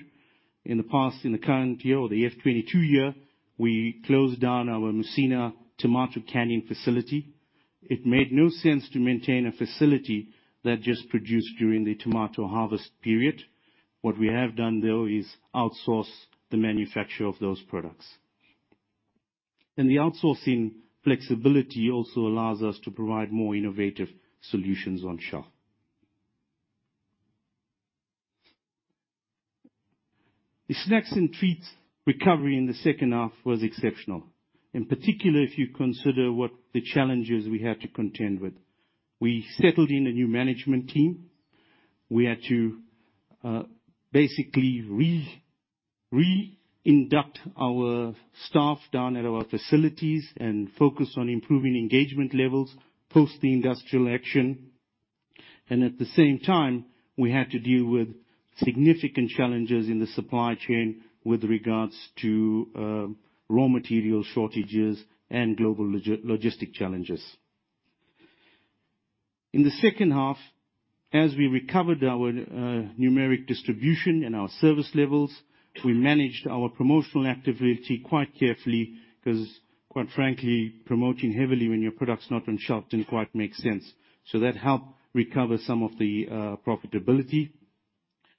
Speaker 6: In the past, in the current year or the F22 year, we closed down our Messina tomato canning facility. It made no sense to maintain a facility that just produced during the tomato harvest period. What we have done though is outsource the manufacture of those products. The outsourcing flexibility also allows us to provide more innovative solutions on shelf. The Snacks and Treats recovery in the second half was exceptional, in particular, if you consider what the challenges we had to contend with. We settled in a new management team. We had to basically reinduct our staff down at our facilities and focus on improving engagement levels post the industrial action. At the same time, we had to deal with significant challenges in the supply chain with regards to raw material shortages and global logistic challenges. In the second half, as we recovered our numeric distribution and our service levels, we managed our promotional activity quite carefully cause quite frankly, promoting heavily when your product's not on shelf didn't quite make sense. That helped recover some of the profitability.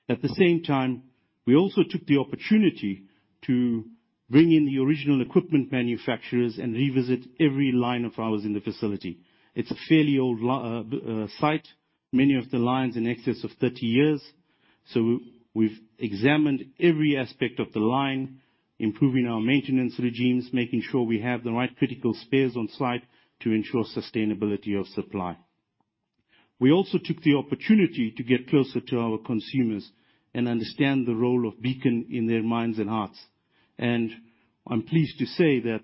Speaker 6: At the same time, we also took the opportunity to bring in the original equipment manufacturers and revisit every line of ours in the facility. It's a fairly old site, many of the lines in excess of 30 years. We've examined every aspect of the line, improving our maintenance regimes, making sure we have the right critical spares on site to ensure sustainability of supply. We also took the opportunity to get closer to our consumers and understand the role of Beacon in their minds and hearts. I'm pleased to say that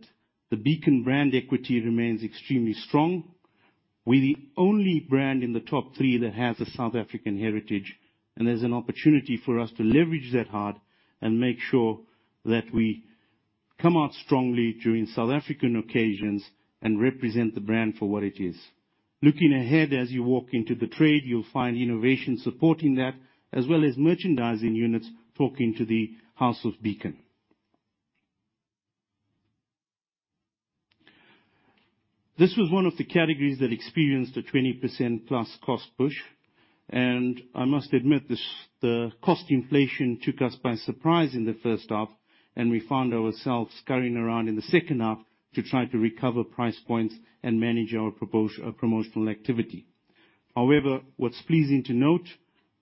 Speaker 6: the Beacon brand equity remains extremely strong. We're the only brand in the top three that has a South African heritage, there's an opportunity for us to leverage that heart and make sure that we come out strongly during South African occasions and represent the brand for what it is. Looking ahead, as you walk into the trade, you'll find innovation supporting that, as well as merchandising units talking to the House of Beacon. This was one of the categories that experienced a 20% plus cost push. I must admit, the cost inflation took us by surprise in the first half, and we found ourselves scurrying around in the second half to try to recover price points and manage our promotional activity. However, what's pleasing to note,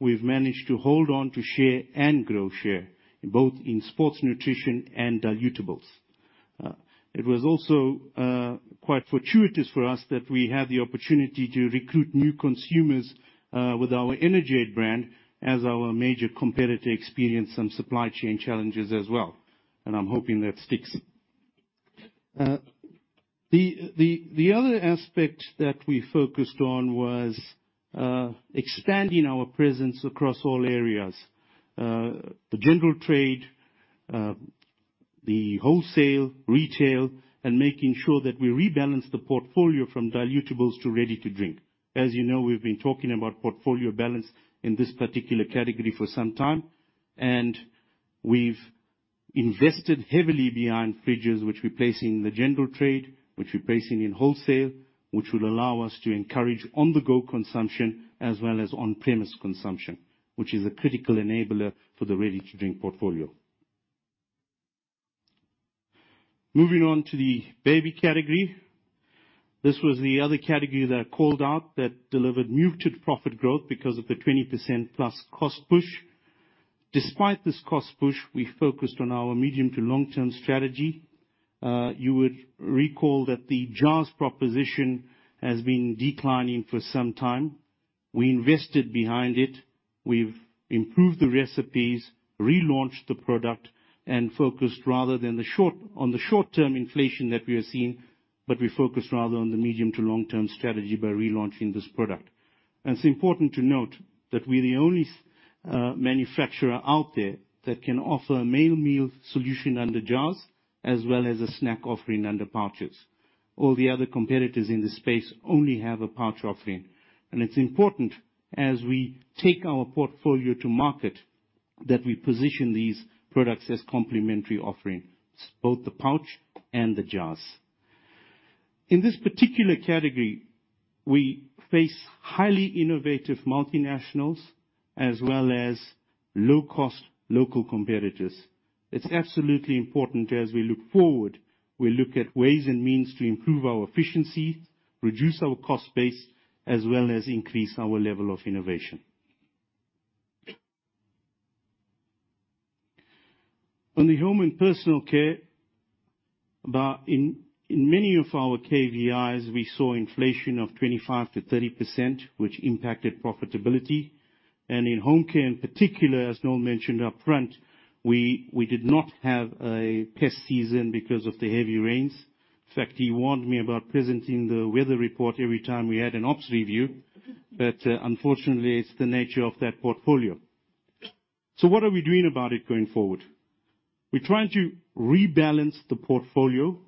Speaker 6: we've managed to hold on to share and grow share, both in sports nutrition and dilutables. It was also quite fortuitous for us that we had the opportunity to recruit new consumers with our Energade brand as our major competitor experienced some supply chain challenges as well. I'm hoping that sticks. The other aspect that we focused on was expanding our presence across all areas. The general trade, the wholesale, retail, and making sure that we rebalance the portfolio from dilutables to ready-to-drink. As you know, we've been talking about portfolio balance in this particular category for some time, and we've invested heavily behind fridges, which we place in the general trade, which we place in wholesale, which will allow us to encourage on-the-go consumption as well as on-premise consumption, which is a critical enabler for the ready-to-drink portfolio. Moving on to the baby category. This was the other category that I called out that delivered muted profit growth because of the 20% plus cost push. Despite this cost push, we focused on our medium to long-term strategy. You would recall that the jars proposition has been declining for some time. We invested behind it. We've improved the recipes, relaunched the product, and focused, rather than on the short-term inflation that we are seeing, but we focused rather on the medium to long-term strategy by relaunching this product. It's important to note that we're the only manufacturer out there that can offer a main meal solution under jars as well as a snack offering under pouches. All the other competitors in this space only have a pouch offering. It's important as we take our portfolio to market, that we position these products as complementary offerings, both the pouch and the jars. In this particular category, we face highly innovative multinationals as well as low-cost local competitors. It's absolutely important as we look forward, we look at ways and means to improve our efficiency, reduce our cost base, as well as increase our level of innovation. On the Home and personal care, in many of our KVIs, we saw inflation of 25%-30%, which impacted profitability. In Home Care, in particular, as Noel mentioned up front, we did not have a pest season because of the heavy rains. In fact, he warned me about presenting the weather report every time we had an ops review. Unfortunately, it's the nature of that portfolio. What are we doing about it going forward? We're trying to rebalance the portfolio,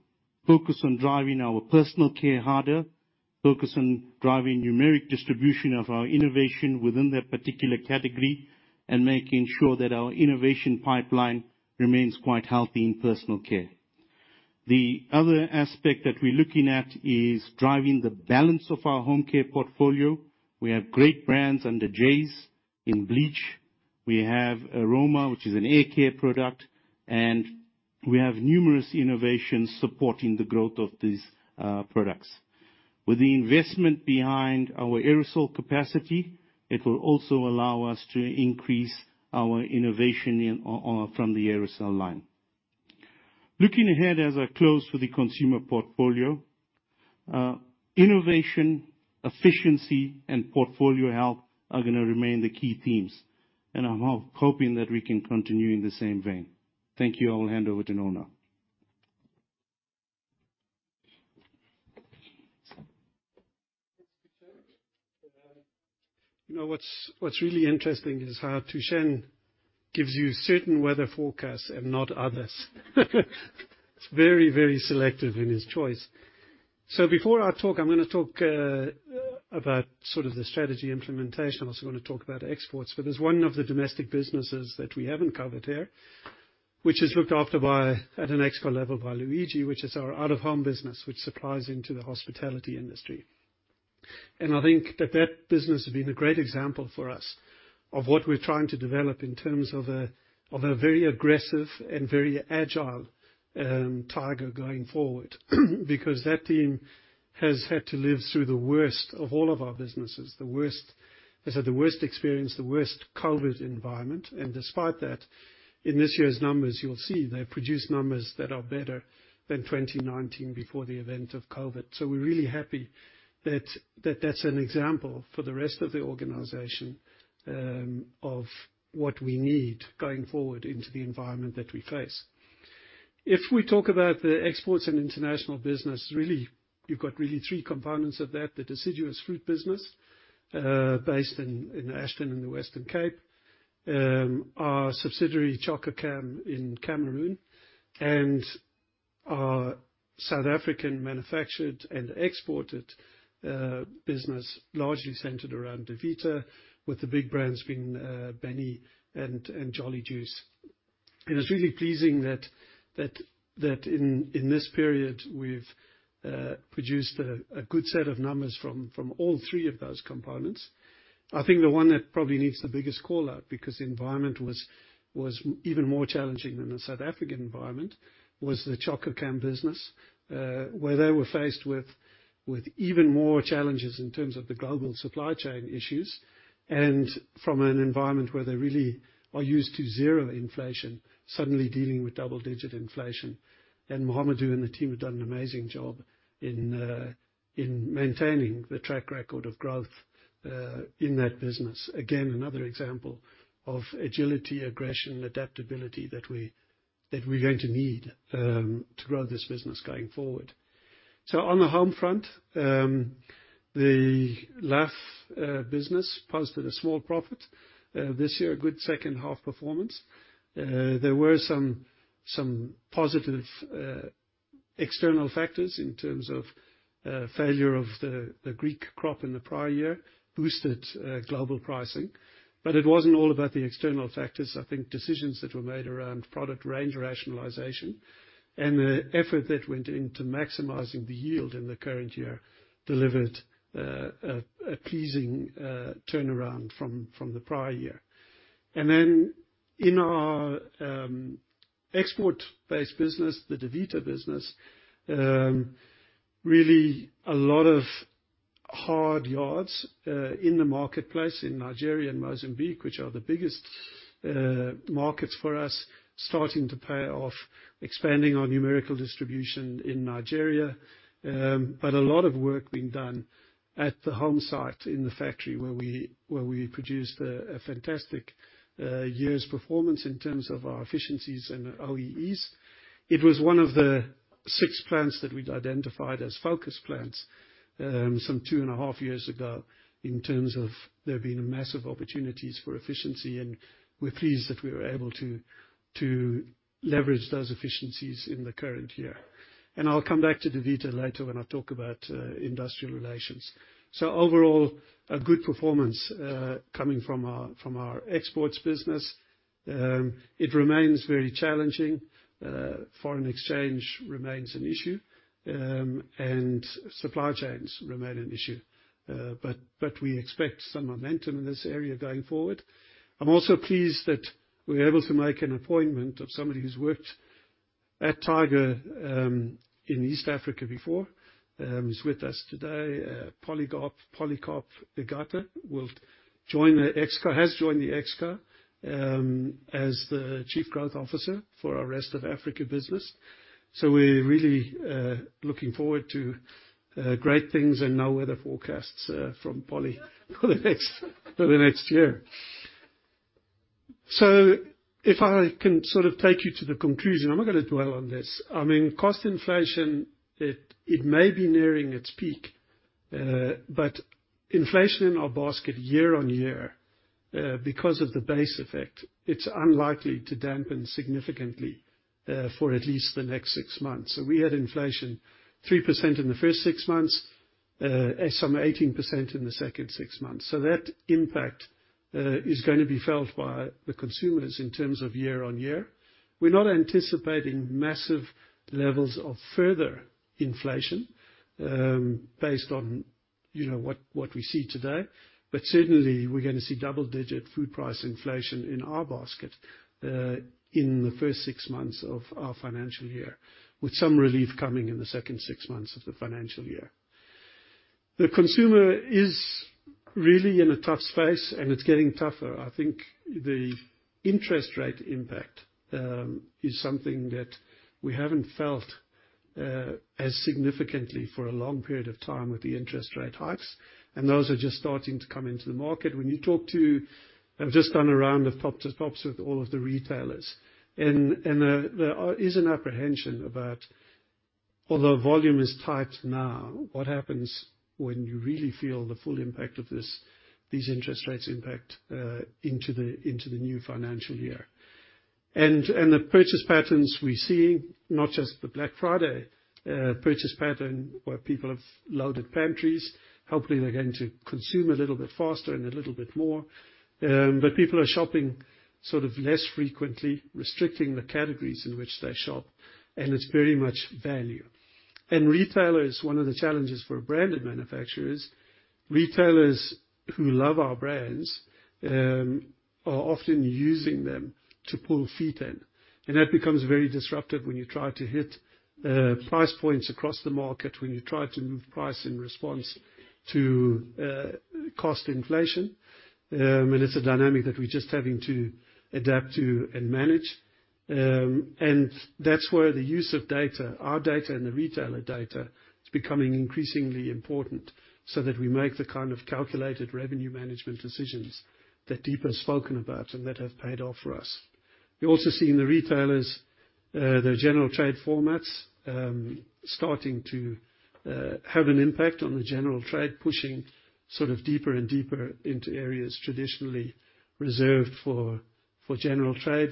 Speaker 6: focus on driving our personal care harder, focus on driving numeric distribution of our innovation within that particular category, and making sure that our innovation pipeline remains quite healthy in personal care. The other aspect that we're looking at is driving the balance of our Home Care portfolio. We have great brands under Jeyes in bleach. We have Airoma, which is an air care product, and we have numerous innovations supporting the growth of these products. With the investment behind our aerosol capacity, it will also allow us to increase our innovation from the aerosol line. Looking ahead as I close for the consumer portfolio, innovation, efficiency, and portfolio health are gonna remain the key themes, and I'm hoping that we can continue in the same vein. Thank you. I will hand over to Noel Doyle.
Speaker 2: Thanks, Thushen. You know, what's really interesting is how Thushen gives you certain weather forecasts and not others. He's very, very selective in his choice. Before I talk, I'm gonna talk about sort of the strategy implementation. I'm also gonna talk about exports. There's one of the domestic businesses that we haven't covered here, which is looked after at an Exco level by Luigi, which is our out-of-home business, which supplies into the hospitality industry. I think that that business has been a great example for us of what we're trying to develop in terms of a very aggressive and very agile Tiger going forward. That team has had to live through the worst of all of our businesses. They've had the worst experience, the worst COVID environment. Despite that, in this year's numbers, you'll see they've produced numbers that are better than 2019 before the event of COVID. We're really happy that's an example for the rest of the organization, of what we need going forward into the environment that we face. If we talk about the exports and international business, really, you've got really three components of that: the deciduous fruit business, based in Ashton in the Western Cape, our subsidiary Chococam in Cameroon, and our South African manufactured and exported business largely centered around Davita, with the big brands being Benny and Jolly Juice. It's really pleasing that in this period, we've produced a good set of numbers from all three of those components. I think the one that probably needs the biggest call-out, because the environment was even more challenging than the South African environment, was the Chococam business, where they were faced with even more challenges in terms of the global supply chain issues, and from an environment where they really are used to zero inflation, suddenly dealing with double-digit inflation. Mohamedou and the team have done an amazing job in maintaining the track record of growth in that business. Again, another example of agility, aggression, adaptability that we're going to need to grow this business going forward. On the home front, the LAF business posted a small profit this year, a good second half performance. There were some positive external factors in terms of failure of the Greek crop in the prior year boosted global pricing. It wasn't all about the external factors. I think decisions that were made around product range rationalization and the effort that went into maximizing the yield in the current year delivered a pleasing turnaround from the prior year. In our export-based business, the Davita business, really a lot of hard yards in the marketplace in Nigeria and Mozambique, which are the biggest markets for us, starting to pay off, expanding our numerical distribution in Nigeria. A lot of work being done at the home site in the factory where we produced a fantastic year's performance in terms of our efficiencies and OEEs. It was one of the 6 plants that we'd identified as focus plants, some two and a half years ago in terms of there being massive opportunities for efficiency, and we're pleased that we were able to leverage those efficiencies in the current year. I'll come back to Deepa later when I talk about industrial relations. Overall, a good performance coming from our exports business. It remains very challenging. Foreign exchange remains an issue, and supply chains remain an issue. We expect some momentum in this area going forward. I'm also pleased that we were able to make an appointment of somebody who's worked at Tiger in East Africa before, is with us today. Polycarp Igathe will join the Exco. Has joined the Exco, as the Chief Growth Officer for our rest of Africa business. We're really looking forward to great things and no weather forecasts from Polycarp for the next year. If I can sort of take you to the conclusion, I'm not gonna dwell on this. I mean cost inflation, it may be nearing its peak, but inflation in our basket year-over-year, because of the base effect, it's unlikely to dampen significantly for at least the next six months. We had inflation 3% in the first six months, some 18% in the second six months. That impact is gonna be felt by the consumers in terms of year-over-year. We're not anticipating massive levels of further inflation, based on, you know, what we see today. Certainly, we're gonna see double-digit food price inflation in our basket, in the first 6 months of our financial year, with some relief coming in the second 6 months of the financial year. The consumer is really in a tough space, it's getting tougher. I think the interest rate impact is something that we haven't felt as significantly for a long period of time with the interest rate hikes, those are just starting to come into the market. When you talk to... I've just done a round of top to tops with all of the retailers and there is an apprehension about although volume is tight now, what happens when you really feel the full impact of these interest rates impact into the new financial year. The purchase patterns we're seeing, not just the Black Friday purchase pattern where people have loaded pantries, hopefully they're going to consume a little bit faster and a little bit more, but people are shopping sort of less frequently, restricting the categories in which they shop, and it's very much value. Retailers, one of the challenges for a branded manufacturer is, retailers who love our brands, are often using them to pull feet in. That becomes very disruptive when you try to hit price points across the market, when you try to move price in response to cost inflation. It's a dynamic that we're just having to adapt to and manage. That's where the use of data, our data and the retailer data, is becoming increasingly important, so that we make the kind of calculated revenue management decisions that Deepa's spoken about and that have paid off for us. We're also seeing the retailers, their general trade formats, starting to have an impact on the general trade, pushing sort of deeper and deeper into areas traditionally reserved for general trade.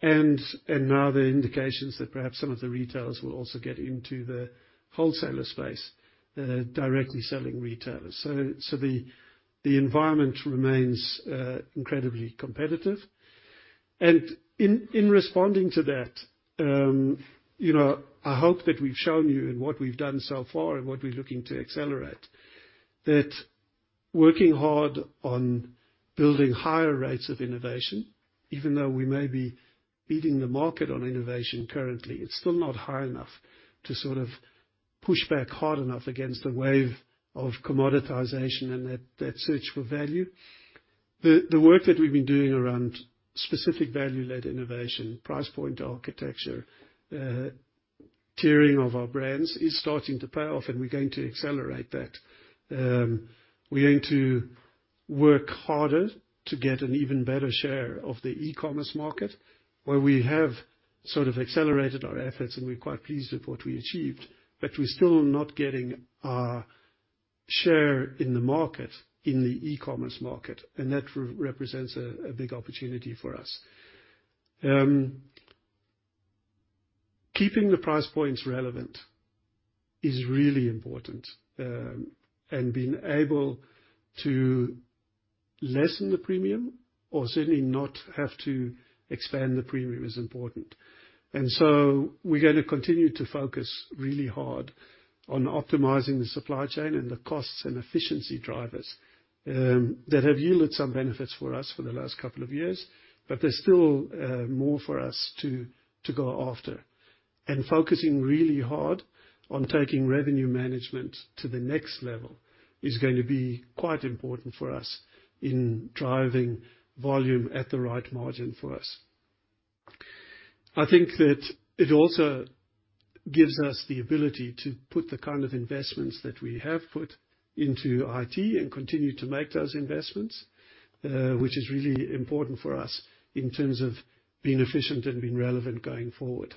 Speaker 2: Now the indications that perhaps some of the retailers will also get into the wholesaler space, the directly selling retailers. The environment remains incredibly competitive. In responding to that, you know, I hope that we've shown you in what we've done so far and what we're looking to accelerate, that working hard on building higher rates of innovation, even though we may be beating the market on innovation currently, it's still not high enough to sort of push back hard enough against the wave of commoditization and that search for value. The work that we've been doing around specific value-led innovation, price point architecture, tiering of our brands is starting to pay off, and we're going to accelerate that. We're going to work harder to get an even better share of the e-commerce market, where we have sort of accelerated our efforts, and we're quite pleased with what we achieved. We're still not getting our share in the market, in the e-commerce market, and that re-represents a big opportunity for us. Keeping the price points relevant is really important. And being able to lessen the premium or certainly not have to expand the premium is important. We're gonna continue to focus really hard on optimizing the supply chain and the costs and efficiency drivers that have yielded some benefits for us for the last couple of years. There's still more for us to go after. Focusing really hard on taking revenue management to the next level is going to be quite important for us in driving volume at the right margin for us. I think that it also gives us the ability to put the kind of investments that we have put into IT and continue to make those investments, which is really important for us in terms of being efficient and being relevant going forward.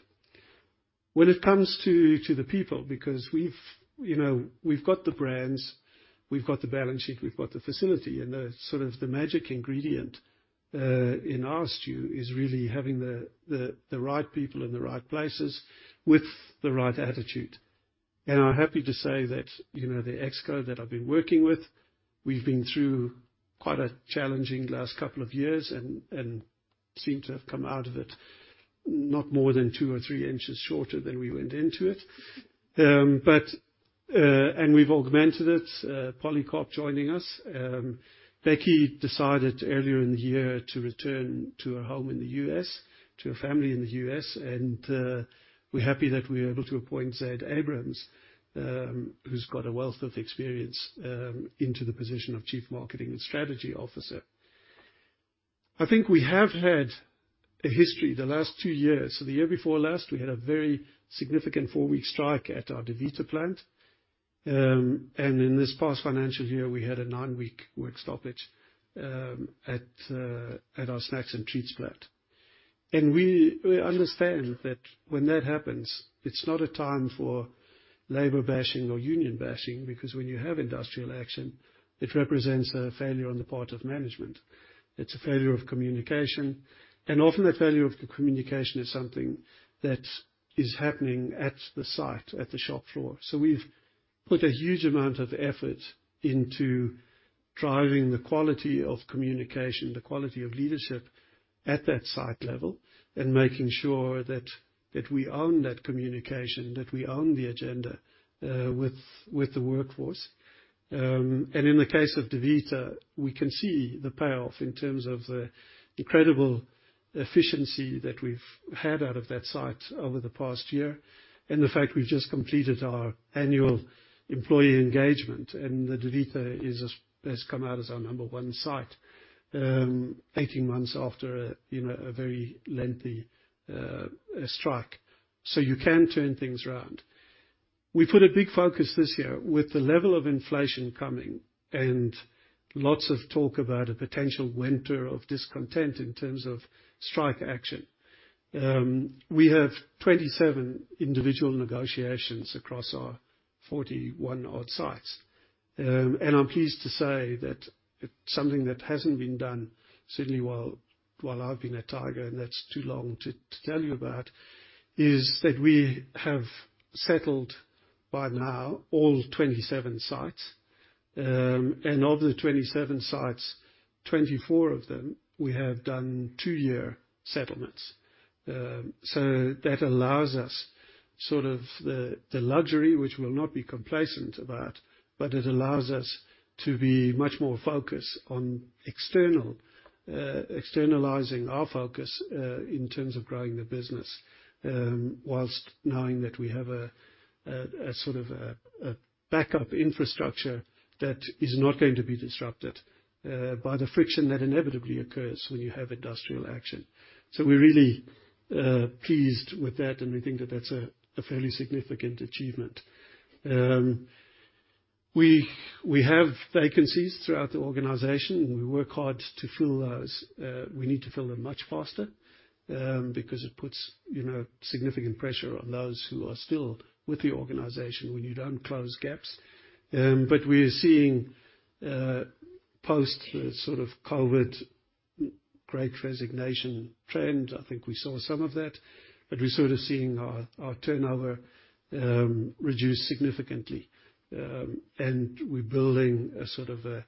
Speaker 2: When it comes to the people, because we've, you know, we've got the brands, we've got the balance sheet, we've got the facility, and the sort of the magic ingredient in our stew is really having the, the right people in the right places with the right attitude. I'm happy to say that, you know, the Exco that I've been working with, we've been through quite a challenging last couple of years and seem to have come out of it not more than two or three inches shorter than we went into it. We've augmented it, Polly An-Ben-Sheng joining us. Becky decided earlier in the year to return to her home in the U.S., to her family in the U.S. We're happy that we're able to appoint Zayd Abrahams, who's got a wealth of experience, into the position of Chief Marketing and Strategy Officer. I think we have had a history the last 2 years. The year before last, we had a very significant 4-week strike at our Davita plant. In this past financial year, we had a 9-week work stoppage at our Snacks and Treats plant. We understand that when that happens, it's not a time for labor bashing or union bashing, because when you have industrial action, it represents a failure on the part of management. It's a failure of communication. Often the failure of the communication is something that is happening at the site, at the shop floor. We've put a huge amount of effort into driving the quality of communication, the quality of leadership at that site level, and making sure that we own that communication, that we own the agenda with the workforce. In the case of Davita, we can see the payoff in terms of the incredible efficiency that we've had out of that site over the past year, and the fact we've just completed our annual employee engagement. The Davita has come out as our number one site, 18 months after a, you know, a very lengthy strike. You can turn things around. We put a big focus this year with the level of inflation coming and lots of talk about a potential winter of discontent in terms of strike action. We have 27 individual negotiations across our 41 odd sites. I'm pleased to say that it's something that hasn't been done, certainly while I've been at Tiger, and that's too long to tell you about, is that we have settled by now all 27 sites. Of the 27 sites, 24 of them, we have done 2-year settlements. That allows us sort of the luxury, which we'll not be complacent about, but it allows us to be much more focused on external, externalizing our focus, in terms of growing the business, whilst knowing that we have a sort of a backup infrastructure that is not going to be disrupted by the friction that inevitably occurs when you have industrial action. We're really pleased with that, and we think that that's a fairly significant achievement. We have vacancies throughout the organization, and we work hard to fill those. We need to fill them much faster, because it puts, you know, significant pressure on those who are still with the organization when you don't close gaps. We're seeing post the sort of COVID Great Resignation trend. I think we saw some of that, but we're sort of seeing our turnover reduce significantly. We're building a sort of a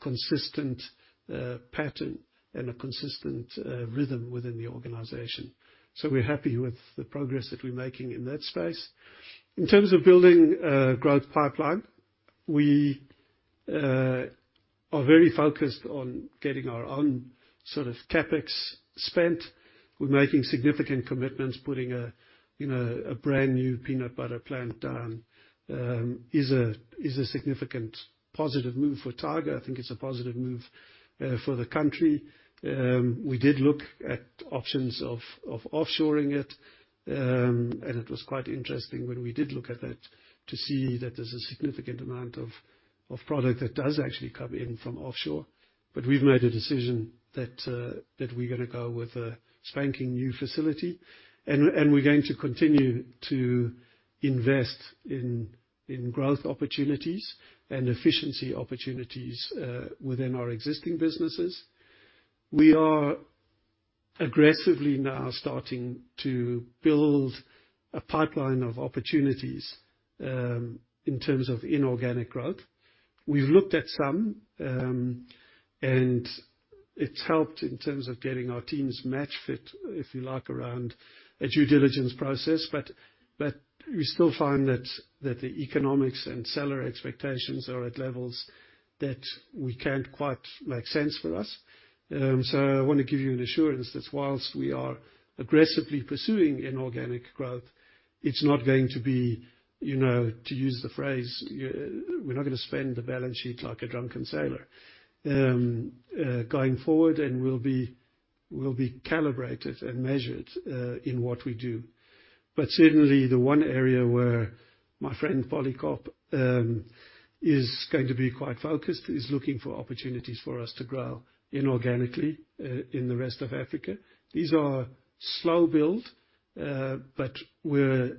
Speaker 2: consistent pattern and a consistent rhythm within the organization. We're happy with the progress that we're making in that space. In terms of building a growth pipeline, we are very focused on getting our own sort of CapEx spent. We're making significant commitments, putting a, you know, a brand new peanut butter plant down is a significant positive move for Tiger. I think it's a positive move for the country. We did look at options of offshoring it was quite interesting when we did look at that to see that there's a significant amount of product that does actually come in from offshore. We've made a decision that we're gonna go with a spanking new facility. We're going to continue to invest in growth opportunities and efficiency opportunities, within our existing businesses. We are aggressively now starting to build a pipeline of opportunities, in terms of inorganic growth. We've looked at some, and it's helped in terms of getting our teams match fit, if you like, around a due diligence process. We still find that the economics and seller expectations are at levels that we can't quite make sense for us. I wanna give you an assurance that whilst we are aggressively pursuing inorganic growth, it's not going to be, you know, to use the phrase, we're not gonna spend the balance sheet like a drunken sailor going forward, and we'll be calibrated and measured in what we do. Certainly, the one area where my friend Polykop is going to be quite focused is looking for opportunities for us to grow inorganically in the rest of Africa. These are slow build, we're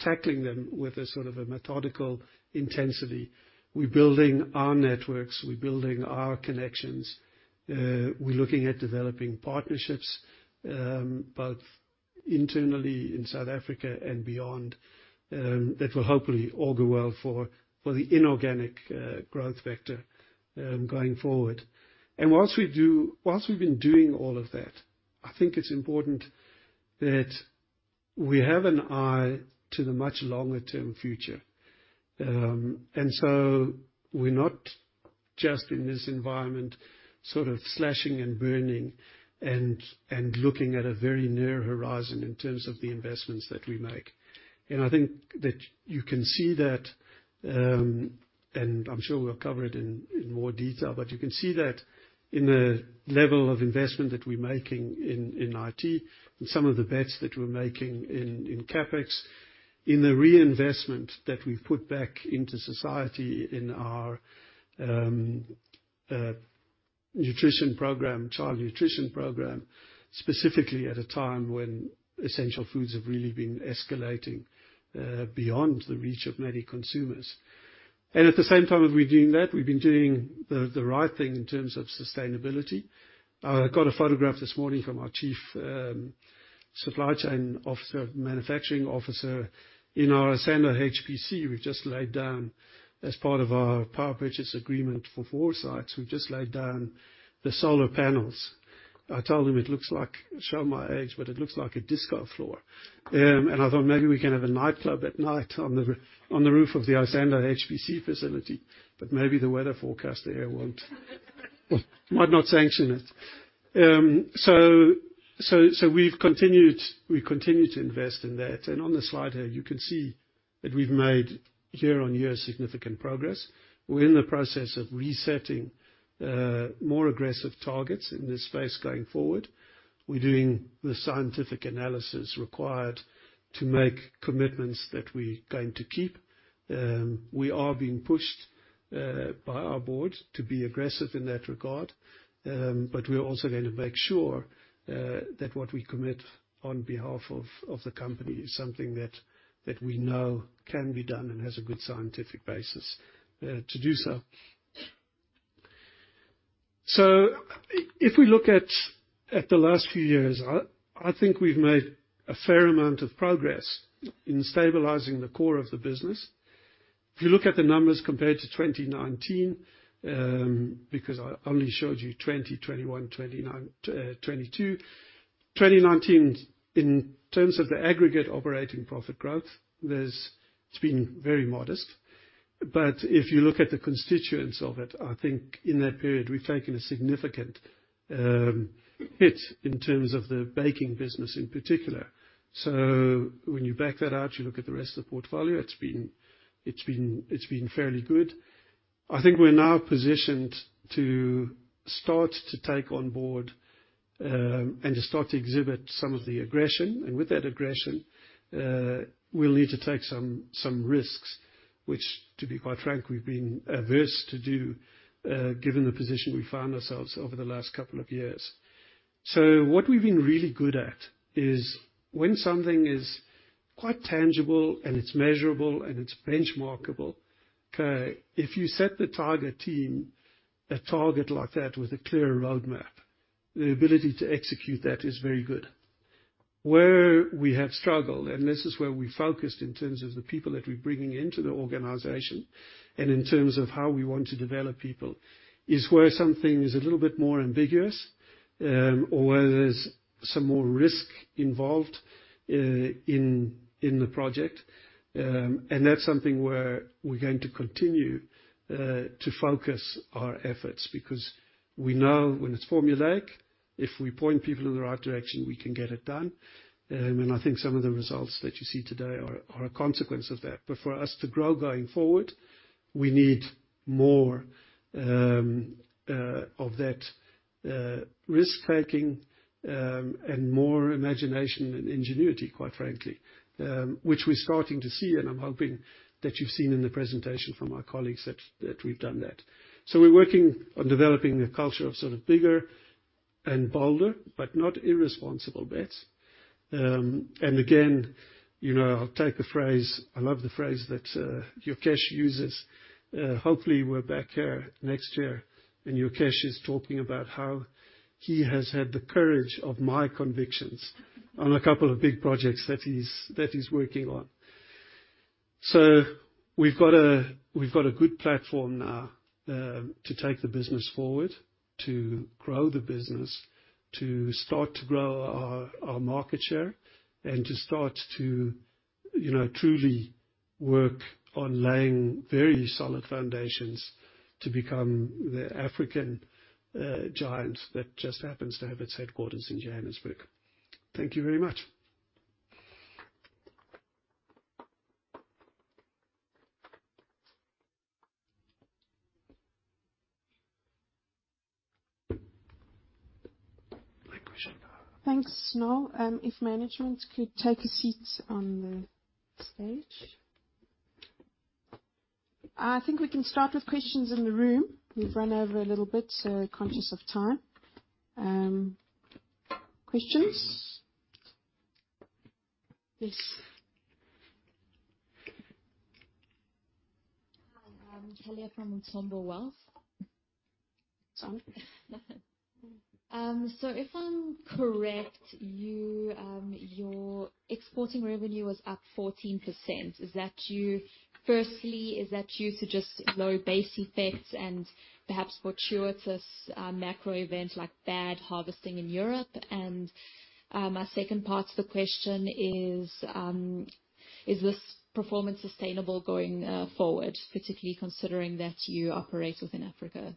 Speaker 2: tackling them with a sort of a methodical intensity. We're building our networks, we're building our connections, we're looking at developing partnerships, both internally in South Africa and beyond, that will hopefully all go well for the inorganic growth vector going forward. Whilst we do. whilst we've been doing all of that, I think it's important that we have an eye to the much longer-term future. We're not just in this environment sort of slashing and burning, and looking at a very near horizon in terms of the investments that we make. I think that you can see that, and I'm sure we'll cover it in more detail, but you can see that in the level of investment that we're making in IT, in some of the bets that we're making in CapEx, in the reinvestment that we put back into society in our nutrition program, child nutrition program, specifically at a time when essential foods have really been escalating, beyond the reach of many consumers. At the same time as we're doing that, we've been doing the right thing in terms of sustainability. I got a photograph this morning from our chief, supply chain officer, manufacturing officer. In our Isando HPC, we've just laid down, as part of our power purchase agreement for four sites, we've just laid down the solar panels. I told him it looks like... Show my age, but it looks like a disco floor. I thought, "Maybe we can have a nightclub at night on the roof of the Isando HPC facility," but maybe the weather forecaster here might not sanction it. We've continued, we continue to invest in that. On the slide here, you can see that we've made year-on-year significant progress. We're in the process of resetting, more aggressive targets in this space going forward. We're doing the scientific analysis required to make commitments that we're going to keep. We are being pushed by our board to be aggressive in that regard, but we're also gonna make sure that what we commit on behalf of the company is something that we know can be done and has a good scientific basis to do so. If we look at the last few years, I think we've made a fair amount of progress in stabilizing the core of the business. If you look at the numbers compared to 2019, because I only showed you 2020, 2021, 2029, 2020. 2019, in terms of the aggregate operating profit growth, it's been very modest. If you look at the constituents of it, I think in that period, we've taken a significant hit in terms of the baking business in particular. When you back that out, you look at the rest of the portfolio, it's been fairly good. I think we're now positioned to start to take on board and to start to exhibit some of the aggression. With that aggression, we'll need to take some risks, which, to be quite frank, we've been averse to do given the position we found ourselves over the last couple of years. What we've been really good at is when something is quite tangible and it's measurable and it's benchmark-able. Okay. If you set the target team a target like that with a clear roadmap, the ability to execute that is very good. Where we have struggled, and this is where we focused in terms of the people that we're bringing into the organization and in terms of how we want to develop people, is where something is a little bit more ambiguous, or where there's some more risk involved in the project. That's something where we're going to continue to focus our efforts, because we know when it's formulaic, if we point people in the right direction, we can get it done. I think some of the results that you see today are a consequence of that. For us to grow going forward, we need more of that risk-taking and more imagination and ingenuity, quite frankly. Which we're starting to see, and I'm hoping that you've seen in the presentation from our colleagues that we've done that. We're working on developing a culture of sort of bigger and bolder, but not irresponsible bets. And again, you know, I love the phrase that Yokesh uses. Hopefully we're back here next year, and Yokesh is talking about how he has had the courage of my convictions on a couple of big projects that he's, that he's working on. We've got a, we've got a good platform now to take the business forward, to grow the business, to start to grow our market share, and to start to, you know, truly work on laying very solid foundations to become the African giant that just happens to have its headquarters in Johannesburg. Thank you very much.
Speaker 1: Thanks, Noel. If management could take a seat on the stage. I think we can start with questions in the room. We've run over a little bit. Conscious of time. Questions? Yes.
Speaker 7: Hi, Tahlia from Ntombi Wealth. If I'm correct, your exporting revenue was up 14%. Is that Firstly, is that due to just low base effects and perhaps fortuitous macro events like bad harvesting in Europe? My second part to the question is this performance sustainable going forward, particularly considering that you operate within Africa?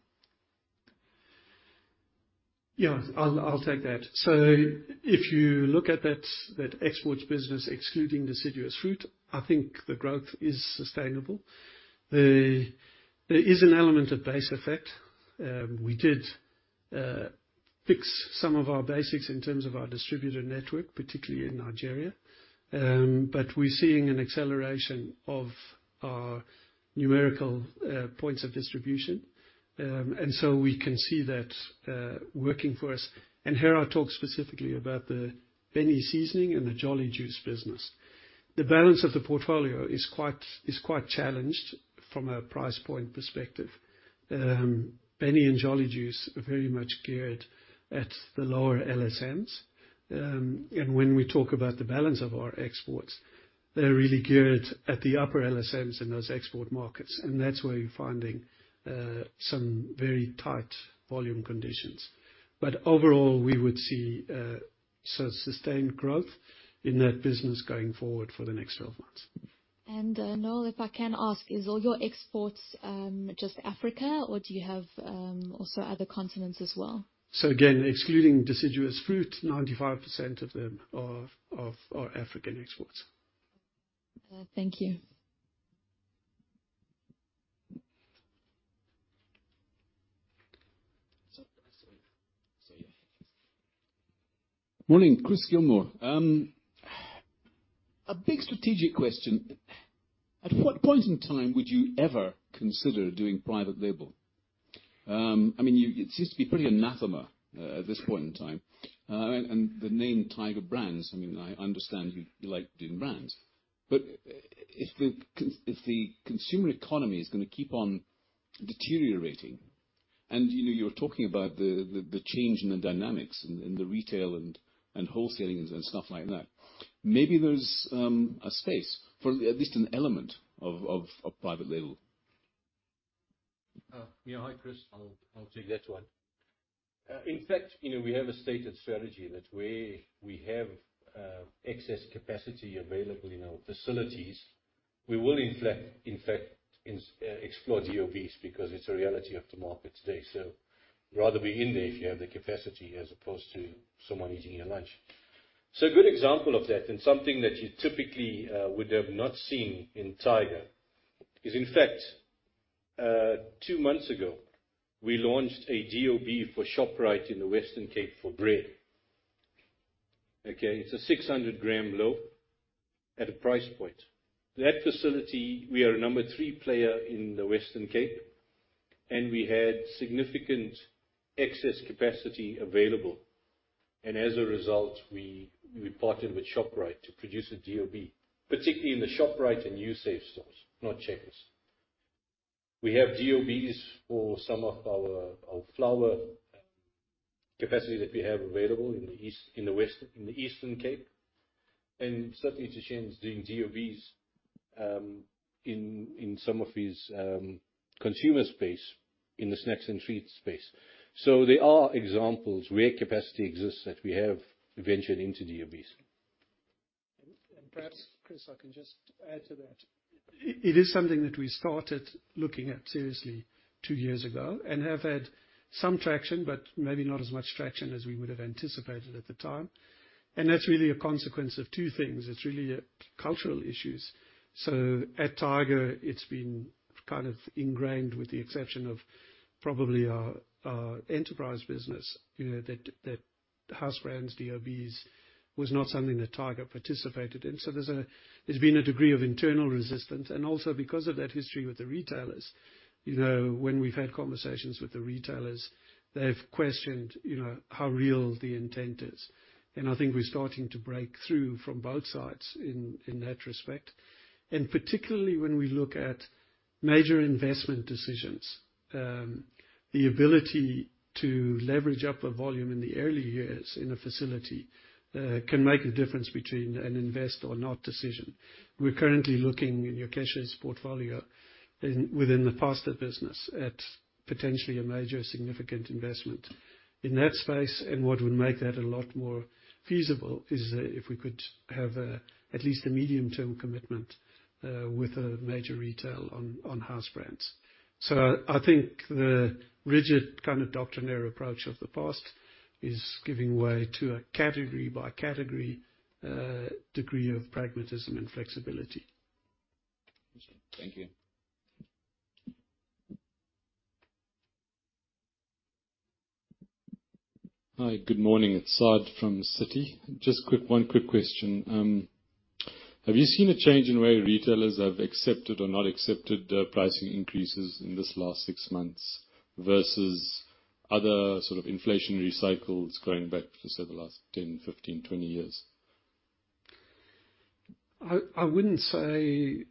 Speaker 2: Yeah, I'll take that. If you look at that exports business excluding deciduous fruit, I think the growth is sustainable. There is an element of base effect. We did fix some of our basics in terms of our distributor network, particularly in Nigeria, but we're seeing an acceleration of our numerical points of distribution. We can see that working for us. Here I'll talk specifically about the Benny Seasoning and the Jolly Juice business. The balance of the portfolio is quite challenged from a price point perspective. Benny and Jolly Juice are very much geared at the lower LSMs. When we talk about the balance of our exports, they're really geared at the upper LSMs in those export markets, and that's where you're finding some very tight volume conditions. Overall, we would see, sustained growth in that business going forward for the next 12 months.
Speaker 7: Noel, if I can ask, is all your exports just Africa, or do you have also other continents as well?
Speaker 2: Again, excluding deciduous fruit, 95% of them are of our African exports.
Speaker 7: Thank you.
Speaker 8: Morning, Chris Gilmour. A big strategic question. At what point in time would you ever consider doing private label? I mean, it seems to be pretty anathema at this point in time. And the name Tiger Brands, I mean, I understand you like doing brands. If the consumer economy is gonna keep on deteriorating, and, you know, you're talking about the change in the dynamics in the retail and wholesaling and stuff like that, maybe there's a space for at least an element of private label.
Speaker 4: Yeah. Hi, Chris. I'll take that one. In fact, you know, we have a stated strategy that where we have excess capacity available in our facilities, we will in fact explore DOBs because it's a reality of the market today. Rather be in there if you have the capacity as opposed to someone eating your lunch. A good example of that and something that you typically would have not seen in Tiger is, in fact, two months ago, we launched a GOB for Shoprite in the Western Cape for bread. Okay. It's a 600 gram loaf at a price point. That facility, we are number three player in the Western Cape, we had significant excess capacity available. As a result, we partnered with Shoprite to produce a DOBs, particularly in the Shoprite and Usave stores, not Checkers. We have DOBs for some of our flour capacity that we have available in the Eastern Cape, certainly to change the DOBs in some of these consumer space, in the Snacks and Treats space. There are examples where capacity exists that we have ventured into DOBs.
Speaker 2: Perhaps, Chris, I can just add to that. It is something that we started looking at seriously two years ago and have had some traction, but maybe not as much traction as we would have anticipated at the time. That's really a consequence of two things. It's really cultural issues. At Tiger, it's been kind of ingrained with the exception of probably our enterprise business, you know, that house brands DOBs was not something that Tiger participated in. There's been a degree of internal resistance, and also because of that history with the retailers, you know, when we've had conversations with the retailers, they've questioned, you know, how real the intent is. I think we're starting to break through from both sides in that respect. Particularly when we look at major investment decisions, the ability to leverage up a volume in the early years in a facility, can make a difference between an invest or not decision. We're currently looking in UK's portfolio in, within the faster business at potentially a major significant investment. In that space, and what would make that a lot more feasible is if we could have, at least a medium-term commitment, with a major retail on house brands. I think the rigid kind of doctrinaire approach of the past is giving way to a category by category, degree of pragmatism and flexibility.
Speaker 8: Thank you.
Speaker 9: Hi, good morning. It's Saad from Citi. One quick question. Have you seen a change in where retailers have accepted or not accepted their pricing increases in this last six months versus other sort of inflationary cycles going back for say, the last 10, 15, 20 years?
Speaker 2: I wouldn't say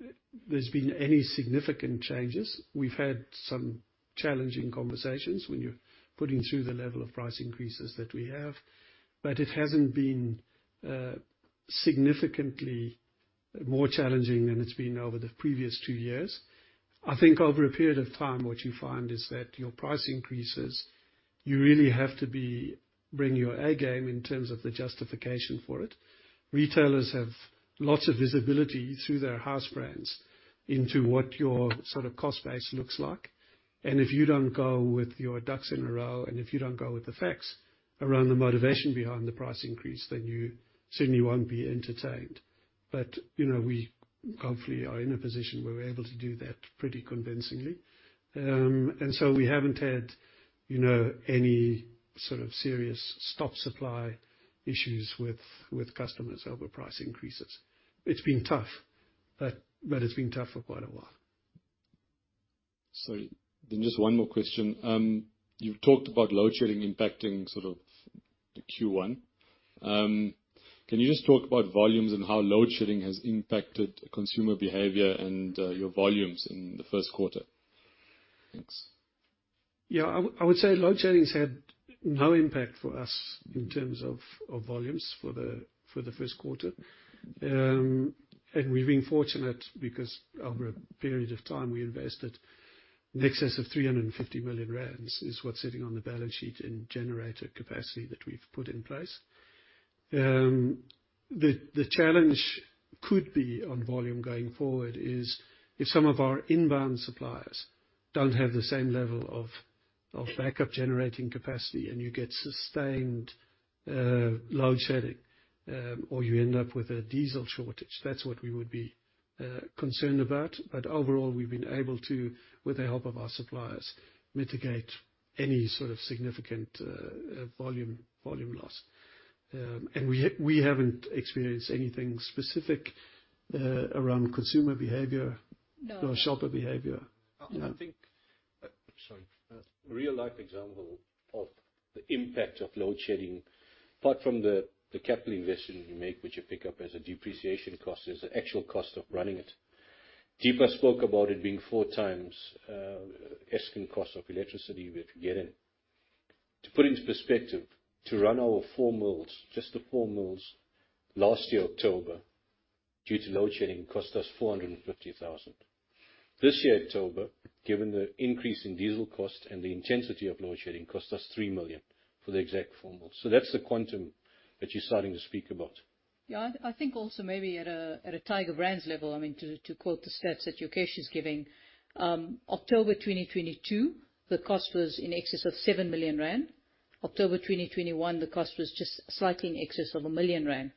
Speaker 2: there's been any significant changes. We've had some challenging conversations when you're putting through the level of price increases that we have, but it hasn't been significantly more challenging than it's been over the previous two years. I think over a period of time, what you find is that your price increases, you really have to be bringing your A game in terms of the justification for it. Retailers have lots of visibility through their house brands into what your sort of cost base looks like. If you don't go with your ducks in a row, and if you don't go with the facts around the motivation behind the price increase, then you certainly won't be entertained. You know, we hopefully are in a position where we're able to do that pretty convincingly. We haven't had, you know, any sort of serious stop supply issues with customers over price increases. It's been tough, but it's been tough for quite a while.
Speaker 9: Sorry. Just one more question. You've talked about load shedding impacting sort of the Q1. Can you just talk about volumes and how load shedding has impacted consumer behavior and, your volumes in the first quarter? Thanks.
Speaker 2: Yeah. I would say load shedding has had no impact for us in terms of volumes for the first quarter. And we've been fortunate because over a period of time, we invested in excess of 350 million rand, is what's sitting on the balance sheet in generator capacity that we've put in place. The challenge could be on volume going forward is if some of our inbound suppliers don't have the same level of backup generating capacity and you get sustained load shedding, or you end up with a diesel shortage, that's what we would be concerned about. Overall, we've been able to, with the help of our suppliers, mitigate any sort of significant volume loss. And we haven't experienced anything specific around consumer behavior.
Speaker 4: No.
Speaker 2: shopper behavior.
Speaker 4: I think. Sorry. A real-life example of the impact of load shedding, apart from the capital investment you make, which you pick up as a depreciation cost, is the actual cost of running it. Deepa spoke about it being four times asking cost of electricity we're getting. To put into perspective, to run our 4 mills, just the 4 mills last year, October, due to load shedding, cost us 450,000. This year, October, given the increase in diesel cost and the intensity of load shedding, cost us ZAR 3 million for the exact 4 mills. That's the quantum that you're starting to speak about.
Speaker 3: I think also maybe at a Tiger Brands level, I mean, to quote the stats that UK is giving, October 2022, the cost was in excess of 7 million rand. October 2021, the cost was just slightly in excess of 1 million rand.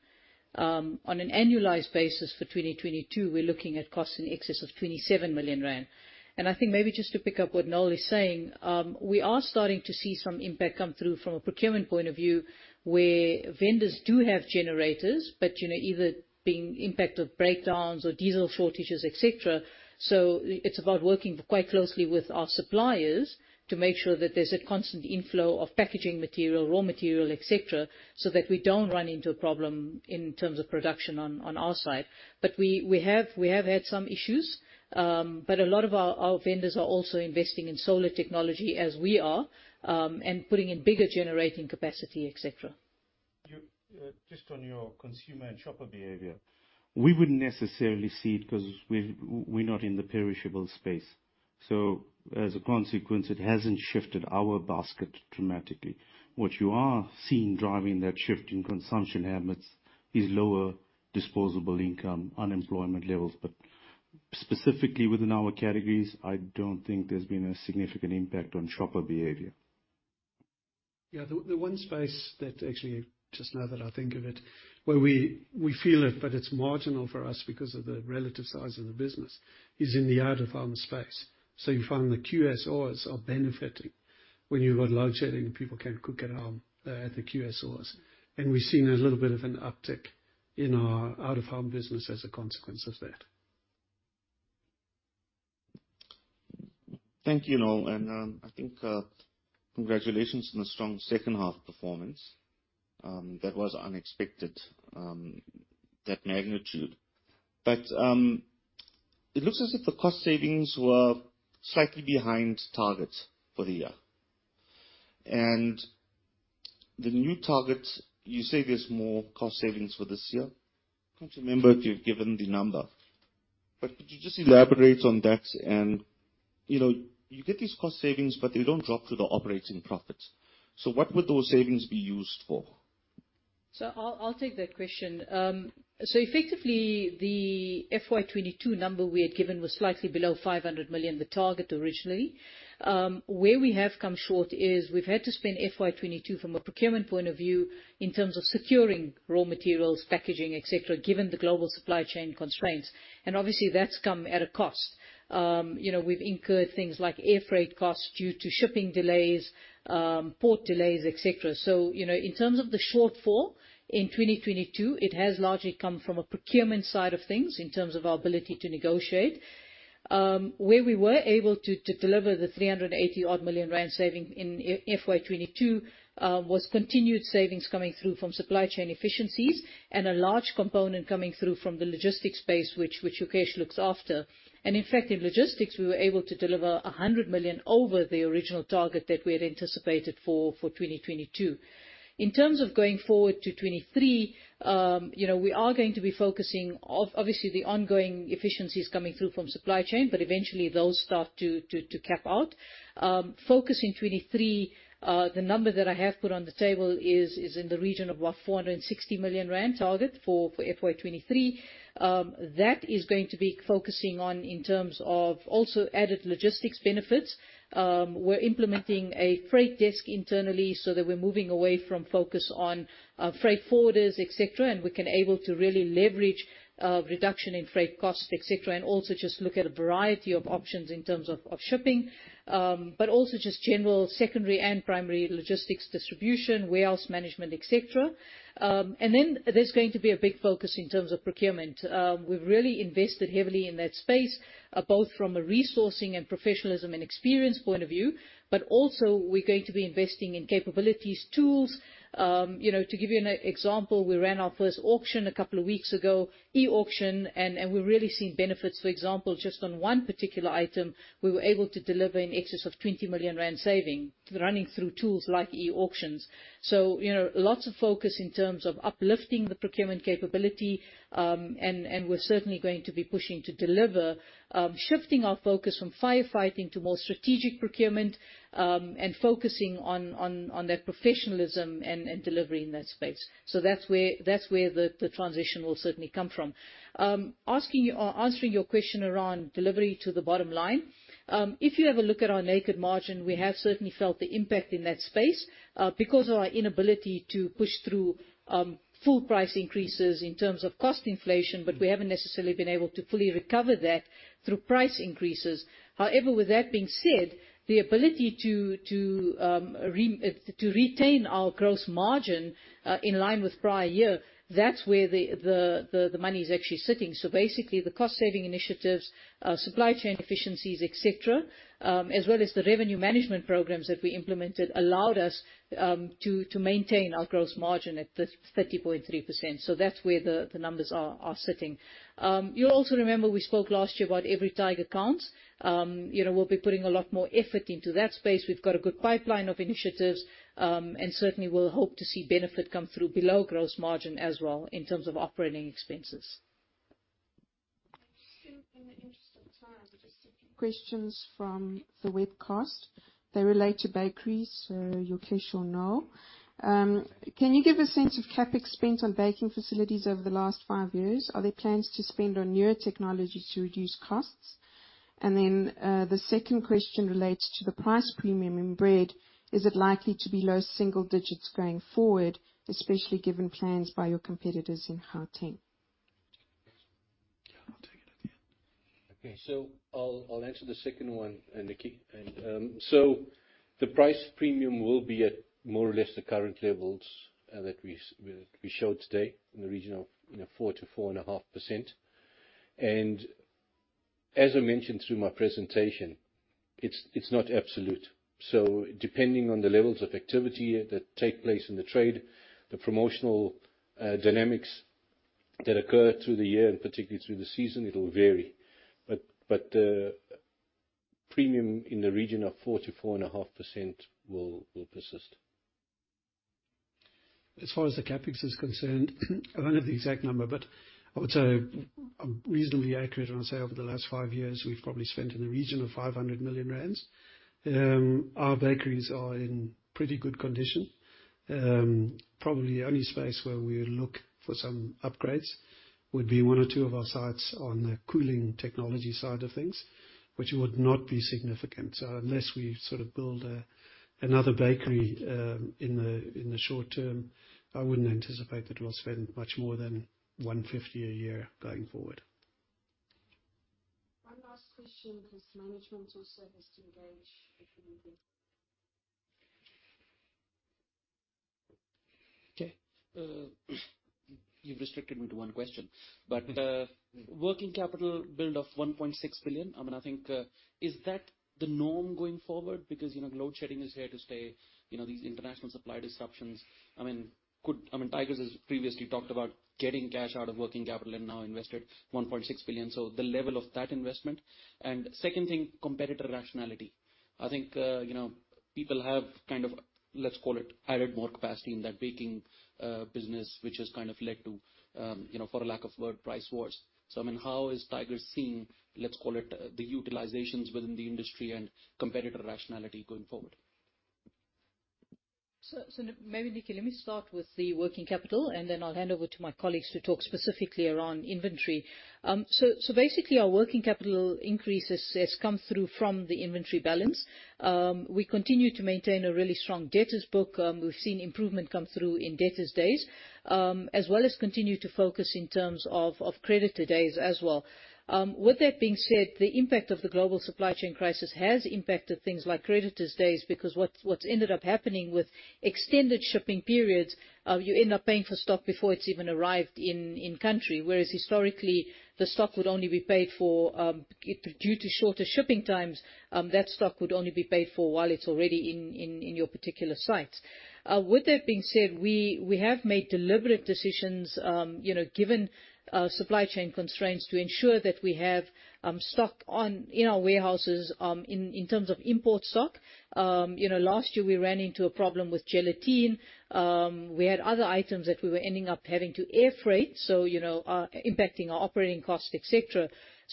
Speaker 3: On an annualized basis for 2022, we're looking at costs in excess of 27 million rand. I think maybe just to pick up what Noel is saying, we are starting to see some impact come through from a procurement point of view, where vendors do have generators, but you know, either being impact of breakdowns or diesel shortages, et cetera. It's about working quite closely with our suppliers to make sure that there's a constant inflow of packaging material, raw material, et cetera, so that we don't run into a problem in terms of production on our side. We have had some issues, but a lot of our vendors are also investing in solar technology as we are, and putting in bigger generating capacity, et cetera.
Speaker 6: Just on your consumer and shopper behavior. We wouldn't necessarily see it 'cause we're not in the perishable space. As a consequence, it hasn't shifted our basket dramatically. What you are seeing driving that shift in consumption habits is lower disposable income, unemployment levels. Specifically within our categories, I don't think there's been a significant impact on shopper behavior.
Speaker 2: Yeah. The one space that actually, just now that I think of it, where we feel it, but it's marginal for us because of the relative size of the business, is in the out-of-home space. You find the QSOs are benefiting when you've got load shedding and people can't cook at home at the QSOs. We've seen a little bit of an uptick in our out-of-home business as a consequence of that.
Speaker 10: Thank you, Noel. I think congratulations on the strong second half performance, that was unexpected, that magnitude. It looks as if the cost savings were slightly behind targets for the year. The new targets, you say there's more cost savings for this year. Can't remember if you've given the number, but could you just elaborate on that? You know, you get these cost savings, but they don't drop through the operating profits. What would those savings be used for?
Speaker 3: I'll take that question. Effectively, the FY 2022 number we had given was slightly below 500 million, the target originally. Where we have come short is we've had to spend FY 2022 from a procurement point of view in terms of securing raw materials, packaging, et cetera, given the global supply chain constraints. Obviously, that's come at a cost. You know, we've incurred things like air freight costs due to shipping delays, port delays, et cetera. You know, in terms of the shortfall in 2022, it has largely come from a procurement side of things in terms of our ability to negotiate. Where we were able to deliver the 380 odd million saving in FY 2022 was continued savings coming through from supply chain efficiencies and a large component coming through from the logistics space, which Yokesh looks after. In fact, in logistics, we were able to deliver 100 million over the original target that we had anticipated for 2022. In terms of going forward to 2023, you know, we are going to be focusing obviously the ongoing efficiencies coming through from supply chain, but eventually those start to cap out. Focus in 2023, the number that I have put on the table is in the region of about 460 million rand target for FY 2023. That is going to be focusing on in terms of also added logistics benefits. We're implementing a freight desk internally so that we're moving away from focus on freight forwarders, et cetera, and we can able to really leverage reduction in freight costs, et cetera, and also just look at a variety of options in terms of shipping. Also just general secondary and primary logistics distribution, warehouse management, et cetera. Then there's going to be a big focus in terms of procurement. We've really invested heavily in that space, both from a resourcing and professionalism and experience point of view, but also we're going to be investing in capabilities, tools. You know, to give you an e-example, we ran our first auction a couple of weeks ago, e-auction, and we're really seeing benefits. For example, just on one particular item, we were able to deliver in excess of 20 million rand saving, running through tools like e-auctions. You know, lots of focus in terms of uplifting the procurement capability, and we're certainly going to be pushing to deliver, shifting our focus from firefighting to more strategic procurement, and focusing on that professionalism and delivery in that space. That's where, that's where the transition will certainly come from. Answering your question around delivery to the bottom line, if you have a look at our naked margin, we have certainly felt the impact in that space, because of our inability to push through full price increases in terms of cost inflation, but we haven't necessarily been able to fully recover that through price increases. With that being said, the ability to retain our gross margin in line with prior year, that's where the money is actually sitting. Basically, the cost-saving initiatives, supply chain efficiencies, et cetera, as well as the revenue management programs that we implemented, allowed us to maintain our gross margin at the 30.3%. That's where the numbers are sitting. You'll also remember we spoke last year about Every Tiger Counts. You know, we'll be putting a lot more effort into that space. We've got a good pipeline of initiatives, and certainly we'll hope to see benefit come through below gross margin as well in terms of operating expenses.
Speaker 1: Just in the interest of time, just a few questions from the webcast. They relate to bakeries, so Yokesh will know. Can you give a sense of CapEx spend on baking facilities over the last five years? Are there plans to spend on newer technologies to reduce costs? The second question relates to the price premium in bread. Is it likely to be low single digits going forward, especially given plans by your competitors in Gauteng?
Speaker 6: Yeah, I'll take it at the end. Okay.
Speaker 4: I'll answer the second one, Nikki. The price premium will be at more or less the current levels that we showed today in the region of, you know, 4%-4.5%.
Speaker 5: As I mentioned through my presentation, it's not absolute. Depending on the levels of activity that take place in the trade, the promotional dynamics that occur through the year and particularly through the season, it'll vary. But premium in the region of 4% to 4.5% will persist.
Speaker 4: As far as the CapEx is concerned, I don't have the exact number, but I would say I'm reasonably accurate when I say over the last five years, we've probably spent in the region of 500 million rand. Our bakeries are in pretty good condition. Probably only space where we look for some upgrades would be one or two of our sites on the cooling technology side of things, which would not be significant. Unless we sort of build a, another bakery, in the short-term, I wouldn't anticipate that we'll spend much more than 150 a year going forward.
Speaker 1: One last question. Has management also versed to engage with the media?
Speaker 10: Okay. You've restricted me to one question. Working capital build of 1.6 billion, I mean, I think, is that the norm going forward? You know, load shedding is here to stay. You know, these international supply disruptions. I mean, Tiger has previously talked about getting cash out of working capital and now invested 1.6 billion. The level of that investment. Second thing, competitor rationality. I think, you know, people have kind of, let's call it, added more capacity in that baking business, which has kind of led to, you know, for a lack of better word, price wars. I mean, how is Tiger seeing, let's call it, the utilizations within the industry and competitor rationality going forward?
Speaker 3: Maybe, Nikki, let me start with the working capital, and then I'll hand over to my colleagues to talk specifically around inventory. Basically, our working capital increase has come through from the inventory balance. We continue to maintain a really strong debtors book. We've seen improvement come through in debtors days, as well as continue to focus in terms of creditor days as well. With that being said, the impact of the global supply chain crisis has impacted things like creditors days, because what's ended up happening with extended shipping periods, you end up paying for stock before it's even arrived in country. Whereas historically, the stock would only be paid for, due to shorter shipping times, that stock would only be paid for while it's already in your particular sites. With that being said, we have made deliberate decisions, you know, given supply chain constraints, to ensure that we have stock on, in our warehouses, in terms of import stock. You know, last year we ran into a problem with gelatine. We had other items that we were ending up having to air freight, so, you know, impacting our operating cost, et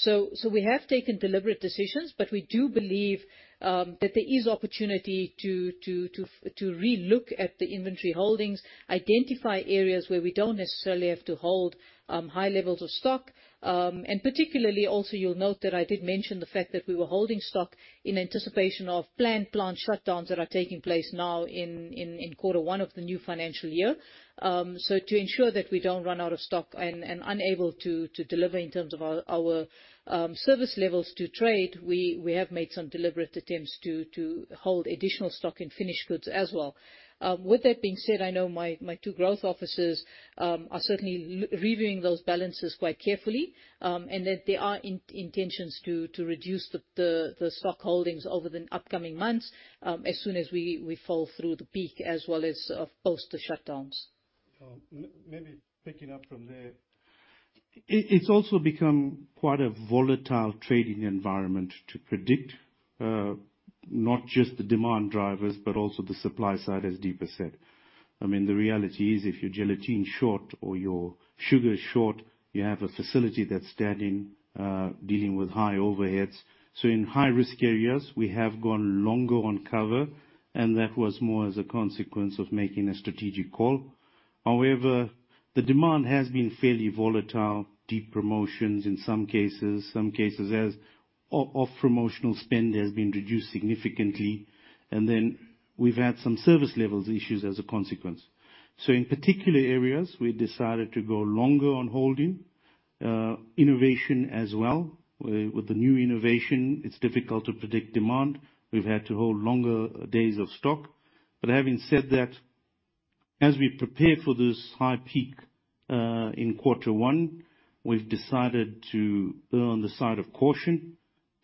Speaker 3: cetera. We have taken deliberate decisions, but we do believe that there is opportunity to re-look at the inventory holdings, identify areas where we don't necessarily have to hold high levels of stock. Particularly also you'll note that I did mention the fact that we were holding stock in anticipation of planned plant shutdowns that are taking place now in quarter one of the new financial year. To ensure that we don't run out of stock and unable to deliver in terms of our service levels to trade, we have made some deliberate attempts to hold additional stock and finished goods as well. With that being said, I know my two growth officers are certainly reviewing those balances quite carefully, and that there are intentions to reduce the stock holdings over the upcoming months, as soon as we fall through the peak as well as post the shutdowns.
Speaker 5: Maybe picking up from there. It's also become quite a volatile trading environment to predict not just the demand drivers, but also the supply side, as Deepa said. I mean, the reality is if your gelatine's short or your sugar's short, you have a facility that's standing dealing with high overheads. In high-risk areas, we have gone longer on cover, and that was more as a consequence of making a strategic call. However, the demand has been fairly volatile, deep promotions in some cases. Some cases as off promotional spend has been reduced significantly. We've had some service levels issues as a consequence. In particular areas, we decided to go longer on holding innovation as well. With the new innovation, it's difficult to predict demand. We've had to hold longer days of stock. Having said that, as we prepare for this high peak, in quarter one, we've decided to err on the side of caution.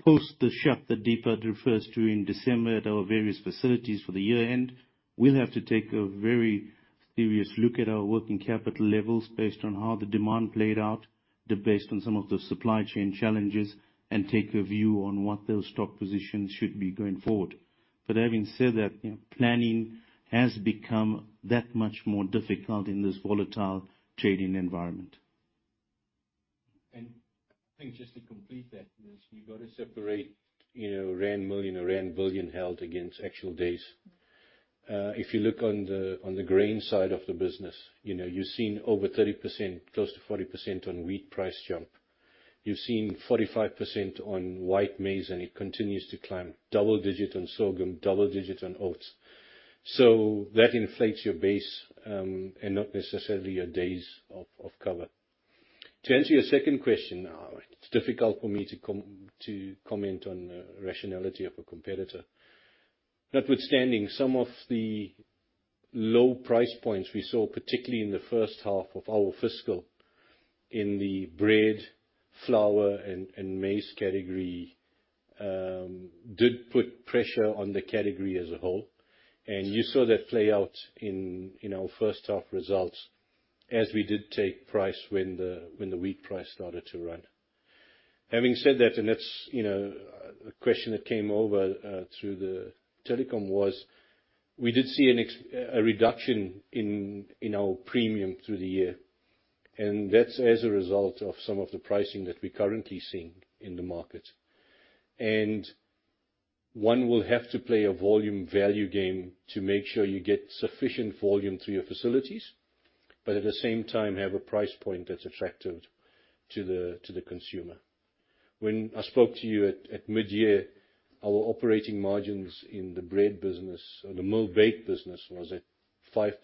Speaker 5: Post the shut that Deepa refers to in December at our various facilities for the year-end, we'll have to take a very serious look at our working capital levels based on how the demand played out, based on some of the supply chain challenges, and take a view on what those stock positions should be going forward. Having said that, you know, planning has become that much more difficult in this volatile trading environment.
Speaker 4: I think just to complete that is you've got to separate, you know, rand million or rand billion held against actual days. If you look on the, on the grain side of the business, you know, you've seen over 30%, close to 40% on wheat price jump. You've seen 45% on white maize, and it continues to climb. Double digit on sorghum, double digit on oats. That inflates your base and not necessarily your days of cover. To answer your second question, now it's difficult for me to comment on the rationality of a competitor. Notwithstanding some of the low price points we saw, particularly in the first half of our fiscal in the bread, flour and maize category, did put pressure on the category as a whole. You saw that play out in our first half results as we did take price when the, when the wheat price started to run. Having said that, and that's, you know, a question that came over through the telecom was, we did see a reduction in our premium through the year, and that's as a result of some of the pricing that we're currently seeing in the market. One will have to play a volume value game to make sure you get sufficient volume through your facilities, but at the same time have a price point that's attractive to the, to the consumer. When I spoke to you at mid-year, our operating margins in the bread business or the mill bake business was at 5%.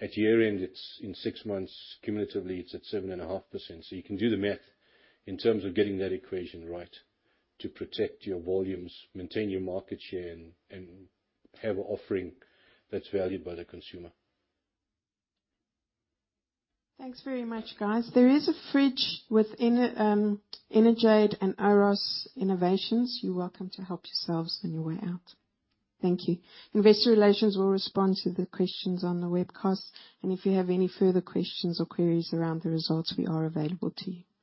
Speaker 4: At year-end, it's in six months, cumulatively it's at 7.5%. You can do the math in terms of getting that equation right to protect your volumes, maintain your market share and have a offering that's valued by the consumer.
Speaker 1: Thanks very much, guys. There is a Fridge with Energade and Oros Innovations. You're welcome to help yourselves on your way out. Thank you. Investor relations will respond to the questions on the webcast. If you have any further questions or queries around the results, we are available to you. Thank you.